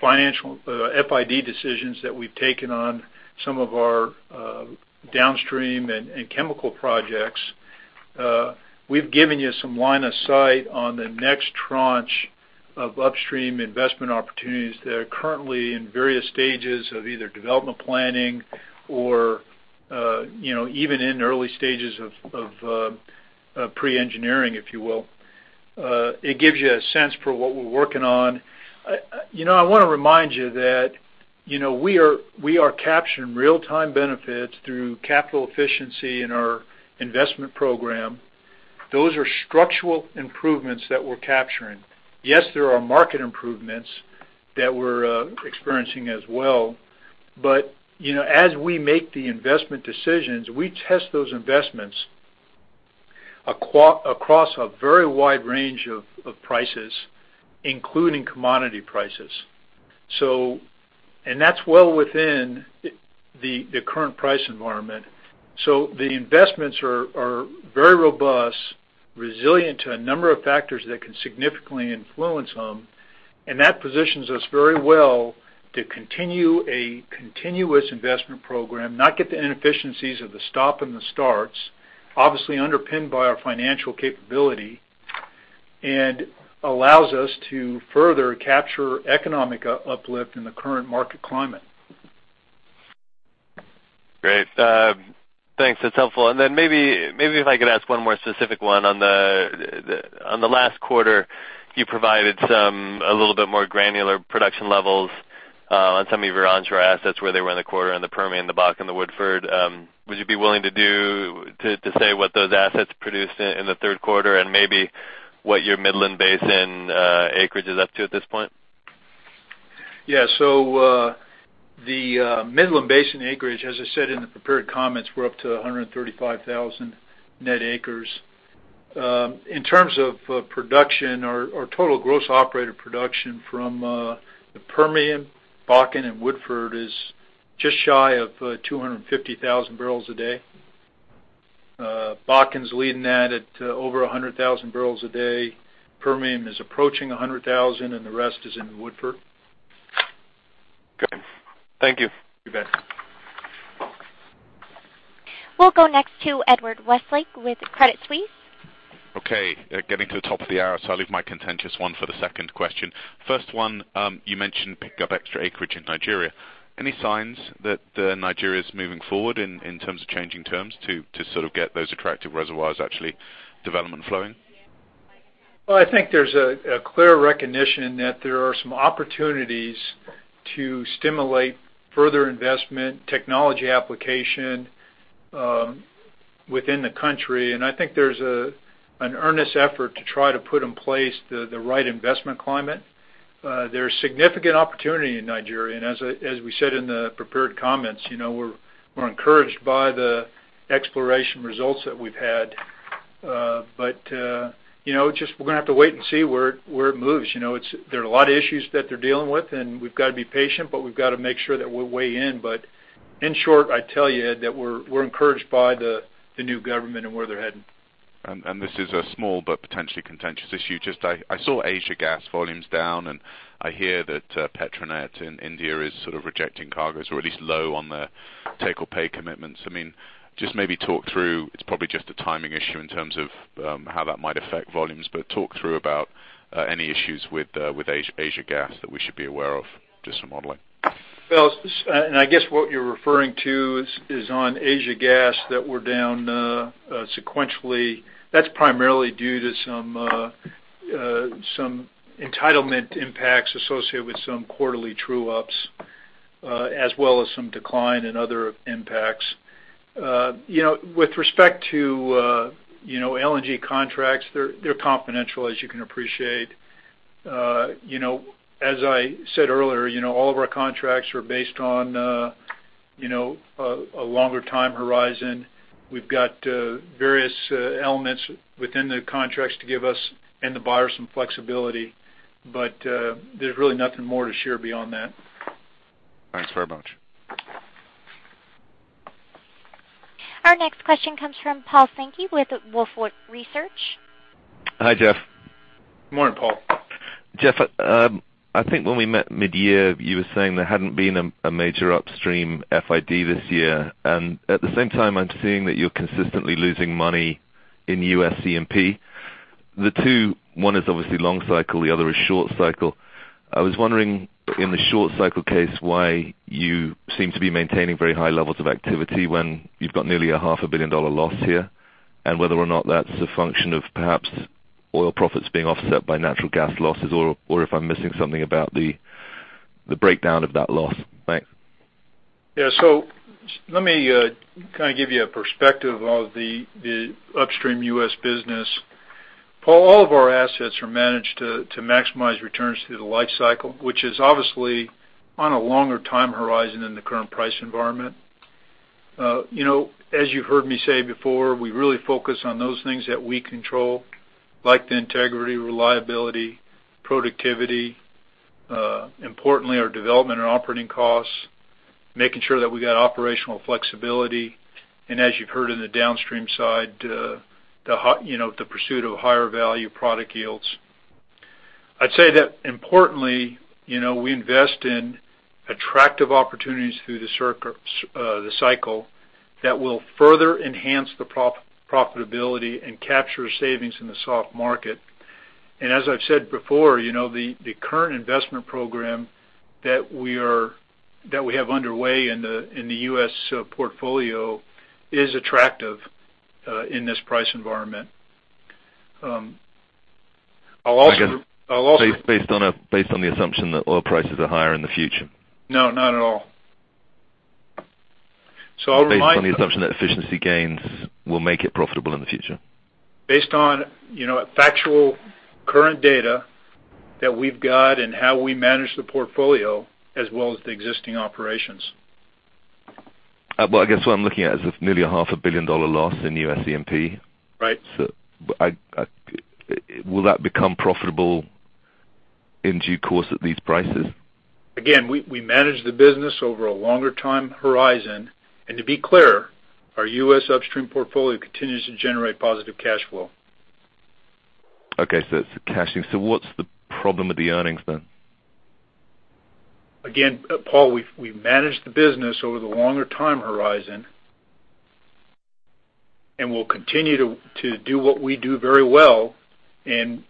financial FID decisions that we've taken on some of our downstream and chemical projects, we've given you some line of sight on the next tranche of upstream investment opportunities that are currently in various stages of either development planning or even in early stages of pre-engineering, if you will. It gives you a sense for what we're working on. I want to remind you that we are capturing real-time benefits through capital efficiency in our investment program. Those are structural improvements that we're capturing. Yes, there are market improvements that we're experiencing as well. As we make the investment decisions, we test those investments across a very wide range of prices, including commodity prices. That's well within the current price environment. The investments are very robust, resilient to a number of factors that can significantly influence them, and that positions us very well to continue a continuous investment program, not get the inefficiencies of the stop and the starts, obviously underpinned by our financial capability, and allows us to further capture economic uplift in the current market climate. Great. Thanks. That's helpful. Then maybe if I could ask 1 more specific one on the last quarter, you provided a little bit more granular production levels on some of your onshore assets where they were in the quarter, on the Permian, the Bakken, the Woodford. Would you be willing to say what those assets produced in the third quarter and maybe what your Midland Basin acreage is up to at this point? The Midland Basin acreage, as I said in the prepared comments, we're up to 135,000 net acres. In terms of production or total gross operated production from the Permian, Bakken, and Woodford is just shy of 250,000 barrels a day. Bakken's leading that at over 100,000 barrels a day. Permian is approaching 100,000, and the rest is in Woodford. Good. Thank you. You bet. We'll go next to Edward Westlake with Credit Suisse. Okay, getting to the top of the hour, I'll leave my contentious one for the second question. First one, you mentioned pick up extra acreage in Nigeria. Any signs that Nigeria's moving forward in terms of changing terms to sort of get those attractive reservoirs actually development flowing? Well, I think there's a clear recognition that there are some opportunities to stimulate further investment, technology application within the country. I think there's an earnest effort to try to put in place the right investment climate. There's significant opportunity in Nigeria. As we said in the prepared comments, we're encouraged by the exploration results that we've had. We're going to have to wait and see where it moves. There are a lot of issues that they're dealing with, and we've got to be patient, but we've got to make sure that we weigh in. In short, I tell you, Ed, that we're encouraged by the new government and where they're heading. This is a small but potentially contentious issue. Just I saw Asia gas volumes down, and I hear that Petronet in India is sort of rejecting cargoes or at least low on their take or pay commitments. Just maybe talk through, it's probably just a timing issue in terms of how that might affect volumes. Talk through about any issues with Asia gas that we should be aware of just for modeling. Well, I guess what you're referring to is on Asia gas that we're down sequentially. That's primarily due to some entitlement impacts associated with some quarterly true-ups as well as some decline in other impacts. With respect to LNG contracts, they're confidential, as you can appreciate. As I said earlier, all of our contracts are based on a longer time horizon. We've got various elements within the contracts to give us and the buyer some flexibility. There's really nothing more to share beyond that. Thanks very much. Our next question comes from Paul Sankey with Wolfe Research. Hi, Jeff. Good morning, Paul. Jeff, I think when we met mid-year, you were saying there hadn't been a major upstream FID this year. At the same time, I'm seeing that you're consistently losing money in USCMP. The two, one is obviously long cycle, the other is short cycle. I was wondering in the short cycle case, why you seem to be maintaining very high levels of activity when you've got nearly a half a billion dollar loss here, and whether or not that's a function of perhaps oil profits being offset by natural gas losses, or if I'm missing something about the breakdown of that loss. Thanks. Yeah. Let me kind of give you a perspective of the upstream U.S. business. Paul, all of our assets are managed to maximize returns through the life cycle, which is obviously on a longer time horizon in the current price environment. As you've heard me say before, we really focus on those things that we control, like the integrity, reliability, productivity, importantly, our development and operating costs, making sure that we got operational flexibility, and as you've heard in the downstream side, the pursuit of higher value product yields. I'd say that importantly, we invest in attractive opportunities through the cycle that will further enhance the profitability and capture savings in the soft market. As I've said before, the current investment program that we have underway in the U.S. portfolio is attractive in this price environment. Based on the assumption that oil prices are higher in the future? No, not at all. I'll remind. Based on the assumption that efficiency gains will make it profitable in the future? Based on factual current data that we've got and how we manage the portfolio as well as the existing operations. Well, I guess what I'm looking at is a nearly a half a billion dollar loss in USCMP. Right. Will that become profitable in due course at these prices? Again, we manage the business over a longer time horizon. To be clear, our U.S. upstream portfolio continues to generate positive cash flow. Okay. It's the cashing. What's the problem with the earnings then? Again, Paul, we manage the business over the longer time horizon. We'll continue to do what we do very well and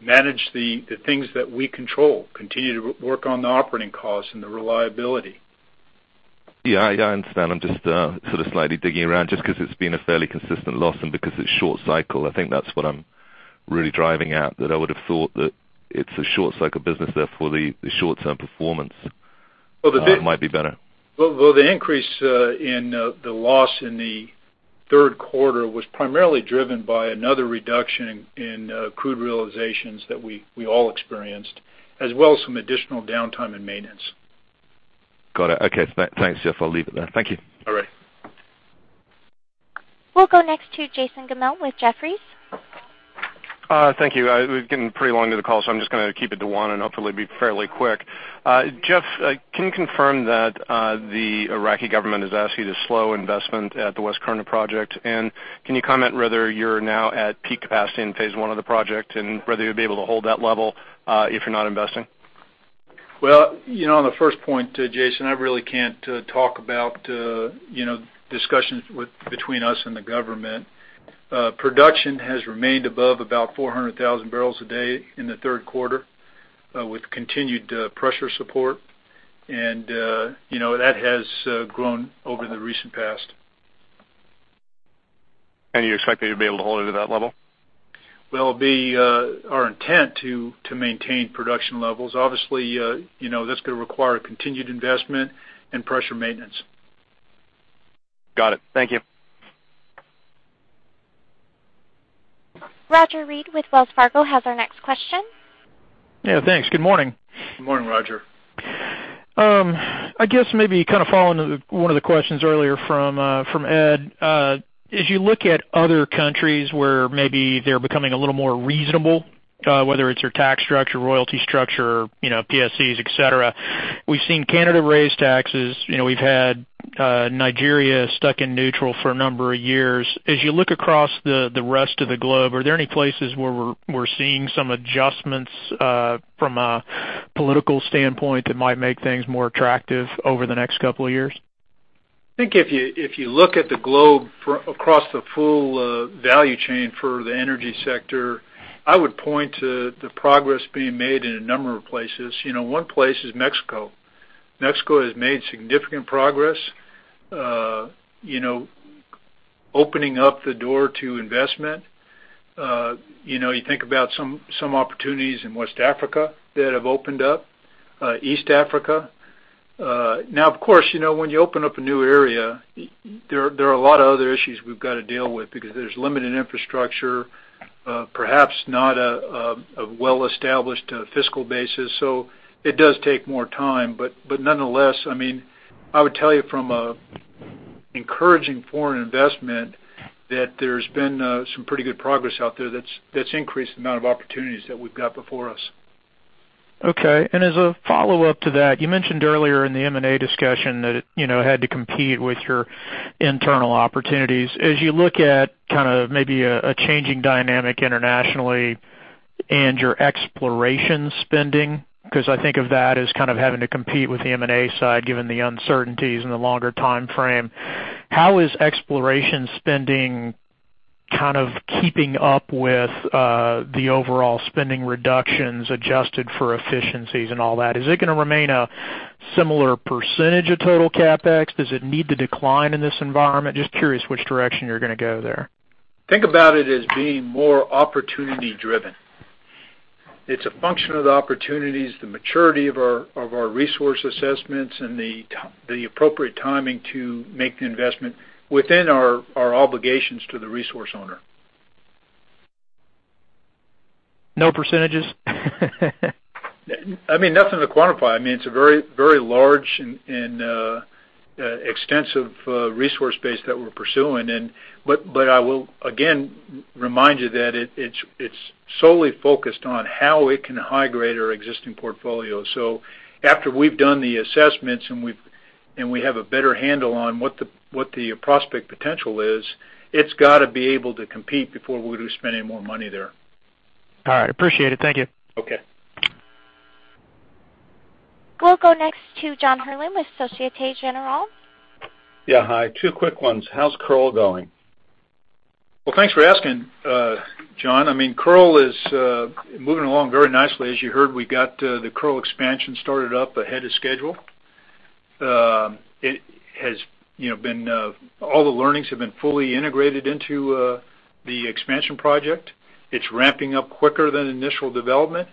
manage the things that we control, continue to work on the operating costs and the reliability. Yeah, I understand. I'm just sort of slightly digging around just because it's been a fairly consistent loss and because it's short cycle. I think that's what I'm really driving at, that I would have thought that it's a short cycle business, therefore the short-term performance might be better. Well, the increase in the loss in the third quarter was primarily driven by another reduction in crude realizations that we all experienced, as well as some additional downtime and maintenance. Got it. Okay. Thanks, Jeff. I'll leave it there. Thank you. All right. We'll go next to Jason Gammel with Jefferies. Thank you. We've gotten pretty long into the call, so I'm just going to keep it to one and hopefully be fairly quick. Jeff, can you confirm that the Iraqi government has asked you to slow investment at the West Qurna project? Can you comment whether you're now at peak capacity in phase 1 of the project, and whether you'll be able to hold that level if you're not investing? Well, on the first point, Jason, I really can't talk about discussions between us and the government. Production has remained above about 400,000 barrels a day in the third quarter with continued pressure support, and that has grown over the recent past. You expect that you'll be able to hold it at that level? Our intent to maintain production levels, obviously, that's going to require a continued investment and pressure maintenance. Got it. Thank you. Roger Read with Wells Fargo has our next question. Yeah, thanks. Good morning. Good morning, Roger. I guess maybe kind of following one of the questions earlier from Ed. As you look at other countries where maybe they're becoming a little more reasonable, whether it's your tax structure, royalty structure, PSCs, et cetera. We've seen Canada raise taxes, we've had Nigeria stuck in neutral for a number of years. As you look across the rest of the globe, are there any places where we're seeing some adjustments from a political standpoint that might make things more attractive over the next couple of years? I think if you look at the globe across the full value chain for the energy sector, I would point to the progress being made in a number of places. One place is Mexico. Mexico has made significant progress opening up the door to investment. You think about some opportunities in West Africa that have opened up, East Africa. Now, of course, when you open up a new area, there are a lot of other issues we've got to deal with because there's limited infrastructure, perhaps not a well-established fiscal basis. It does take more time. Nonetheless, I would tell you from encouraging foreign investment that there's been some pretty good progress out there that's increased the amount of opportunities that we've got before us. Okay. As a follow-up to that, you mentioned earlier in the M&A discussion that it had to compete with your internal opportunities. As you look at maybe a changing dynamic internationally and your exploration spending, because I think of that as kind of having to compete with the M&A side, given the uncertainties and the longer timeframe, how is exploration spending kind of keeping up with the overall spending reductions adjusted for efficiencies and all that? Is it going to remain a similar percentage of total CapEx? Does it need to decline in this environment? Just curious which direction you're going to go there. Think about it as being more opportunity driven. It's a function of the opportunities, the maturity of our resource assessments, and the appropriate timing to make the investment within our obligations to the resource owner. No percentages? Nothing to quantify. It's a very large and extensive resource base that we're pursuing. I will again remind you that it's solely focused on how we can high-grade our existing portfolio. After we've done the assessments and we have a better handle on what the prospect potential is, it's got to be able to compete before we're going to spend any more money there. All right. Appreciate it. Thank you. Okay. We'll go next to John Herrlin with Societe Generale. Yeah, hi. Two quick ones. How's Kearl going? Well, thanks for asking, John. Kearl is moving along very nicely. As you heard, we got the Kearl expansion started up ahead of schedule. All the learnings have been fully integrated into the expansion project. It's ramping up quicker than initial development.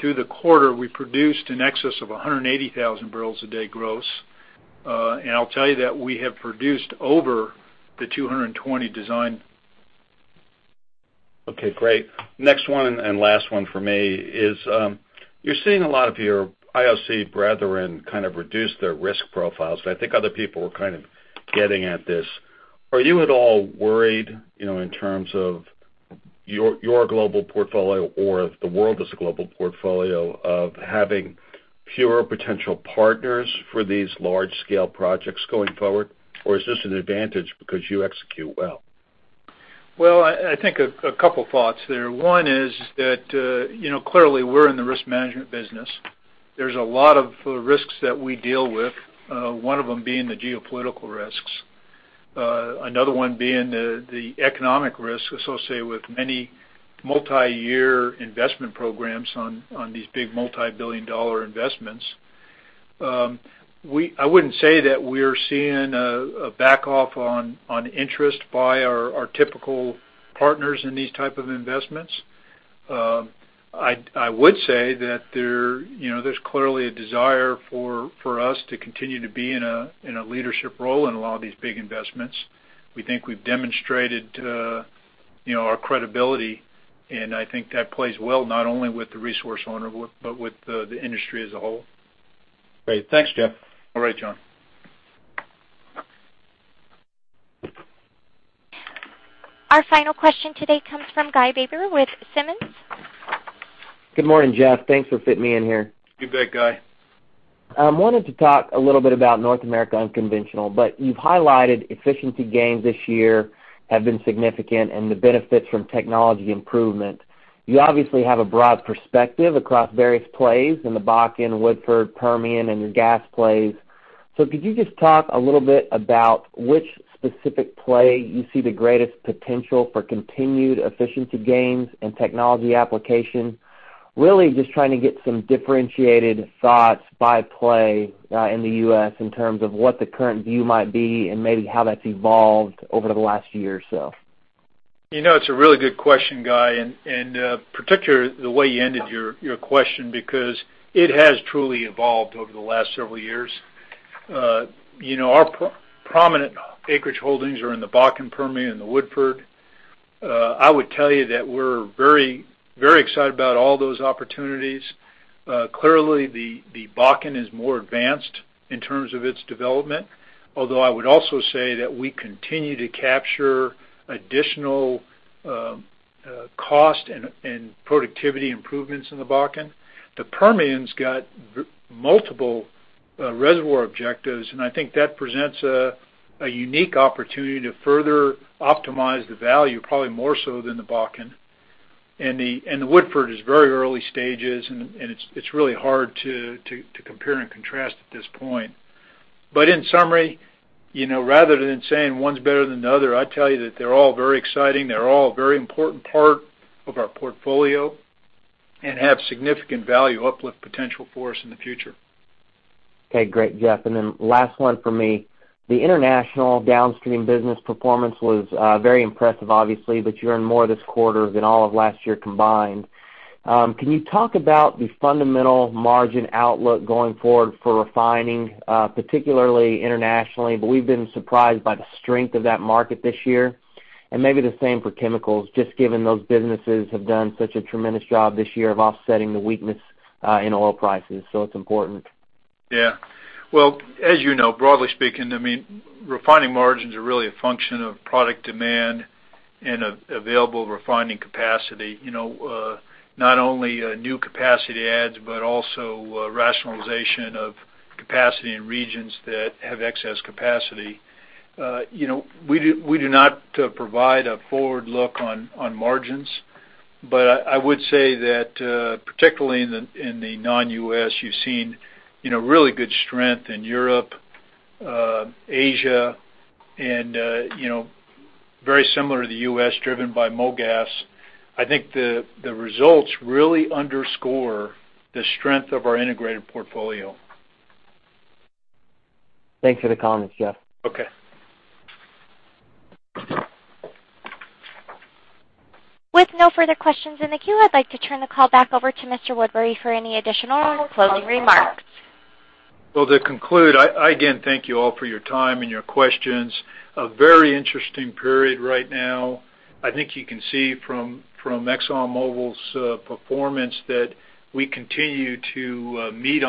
Through the quarter, we produced in excess of 180,000 barrels a day gross. I'll tell you that we have produced over the 220 design. Okay, great. Next one and last one for me is, you're seeing a lot of your IOC brethren kind of reduce their risk profiles, and I think other people were kind of getting at this. Are you at all worried, in terms of your global portfolio or the world as a global portfolio, of having fewer potential partners for these large-scale projects going forward? Or is this an advantage because you execute well? Well, I think a couple thoughts there. One is that, clearly we're in the risk management business. There's a lot of risks that we deal with, one of them being the geopolitical risks. Another one being the economic risk associated with many multi-year investment programs on these big multi-billion dollar investments. I wouldn't say that we're seeing a back off on interest by our typical partners in these type of investments. I would say that there's clearly a desire for us to continue to be in a leadership role in a lot of these big investments. We think we've demonstrated our credibility, and I think that plays well not only with the resource owner, but with the industry as a whole. Great. Thanks, Jeff. All right, John. Our final question today comes from Guy Baber with Simmons. Good morning, Jeff. Thanks for fitting me in here. You bet, Guy. I wanted to talk a little bit about North America unconventional, but you've highlighted efficiency gains this year have been significant and the benefits from technology improvement. You obviously have a broad perspective across various plays in the Bakken, Woodford, Permian, and your gas plays. Could you just talk a little bit about which specific play you see the greatest potential for continued efficiency gains and technology application? Really just trying to get some differentiated thoughts by play in the U.S. in terms of what the current view might be and maybe how that's evolved over the last year or so. It's a really good question, Guy, particularly the way you ended your question because it has truly evolved over the last several years. Our prominent acreage holdings are in the Bakken, Permian, and the Woodford. I would tell you that we're very excited about all those opportunities. Clearly, the Bakken is more advanced in terms of its development, although I would also say that we continue to capture additional cost and productivity improvements in the Bakken. The Permian's got multiple reservoir objectives, and I think that presents a unique opportunity to further optimize the value, probably more so than the Bakken. The Woodford is very early stages, and it's really hard to compare and contrast at this point. In summary, rather than saying one's better than the other, I'd tell you that they're all very exciting. They're all a very important part of our portfolio and have significant value uplift potential for us in the future. Okay. Great, Jeff. Then last one from me. The international downstream business performance was very impressive, obviously, you earned more this quarter than all of last year combined. Can you talk about the fundamental margin outlook going forward for refining, particularly internationally, we've been surprised by the strength of that market this year. Maybe the same for chemicals, just given those businesses have done such a tremendous job this year of offsetting the weakness in oil prices, it's important. Well, as you know, broadly speaking, refining margins are really a function of product demand and available refining capacity. Not only new capacity adds, also rationalization of capacity in regions that have excess capacity. We do not provide a forward look on margins, I would say that particularly in the non-U.S., you've seen really good strength in Europe, Asia, and very similar to the U.S., driven by mogas. I think the results really underscore the strength of our integrated portfolio. Thanks for the comments, Jeff. Okay. With no further questions in the queue, I'd like to turn the call back over to Mr. Woodbury for any additional closing remarks. Well, to conclude, I again thank you all for your time and your questions. A very interesting period right now. I think you can see from ExxonMobil's performance that we continue to meet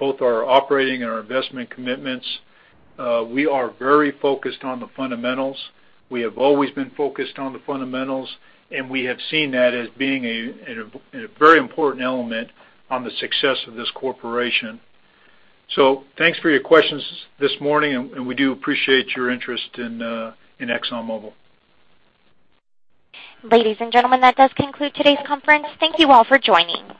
both our operating and our investment commitments. We are very focused on the fundamentals. We have always been focused on the fundamentals, and we have seen that as being a very important element on the success of this corporation. Thanks for your questions this morning, and we do appreciate your interest in ExxonMobil. Ladies and gentlemen, that does conclude today's conference. Thank you all for joining.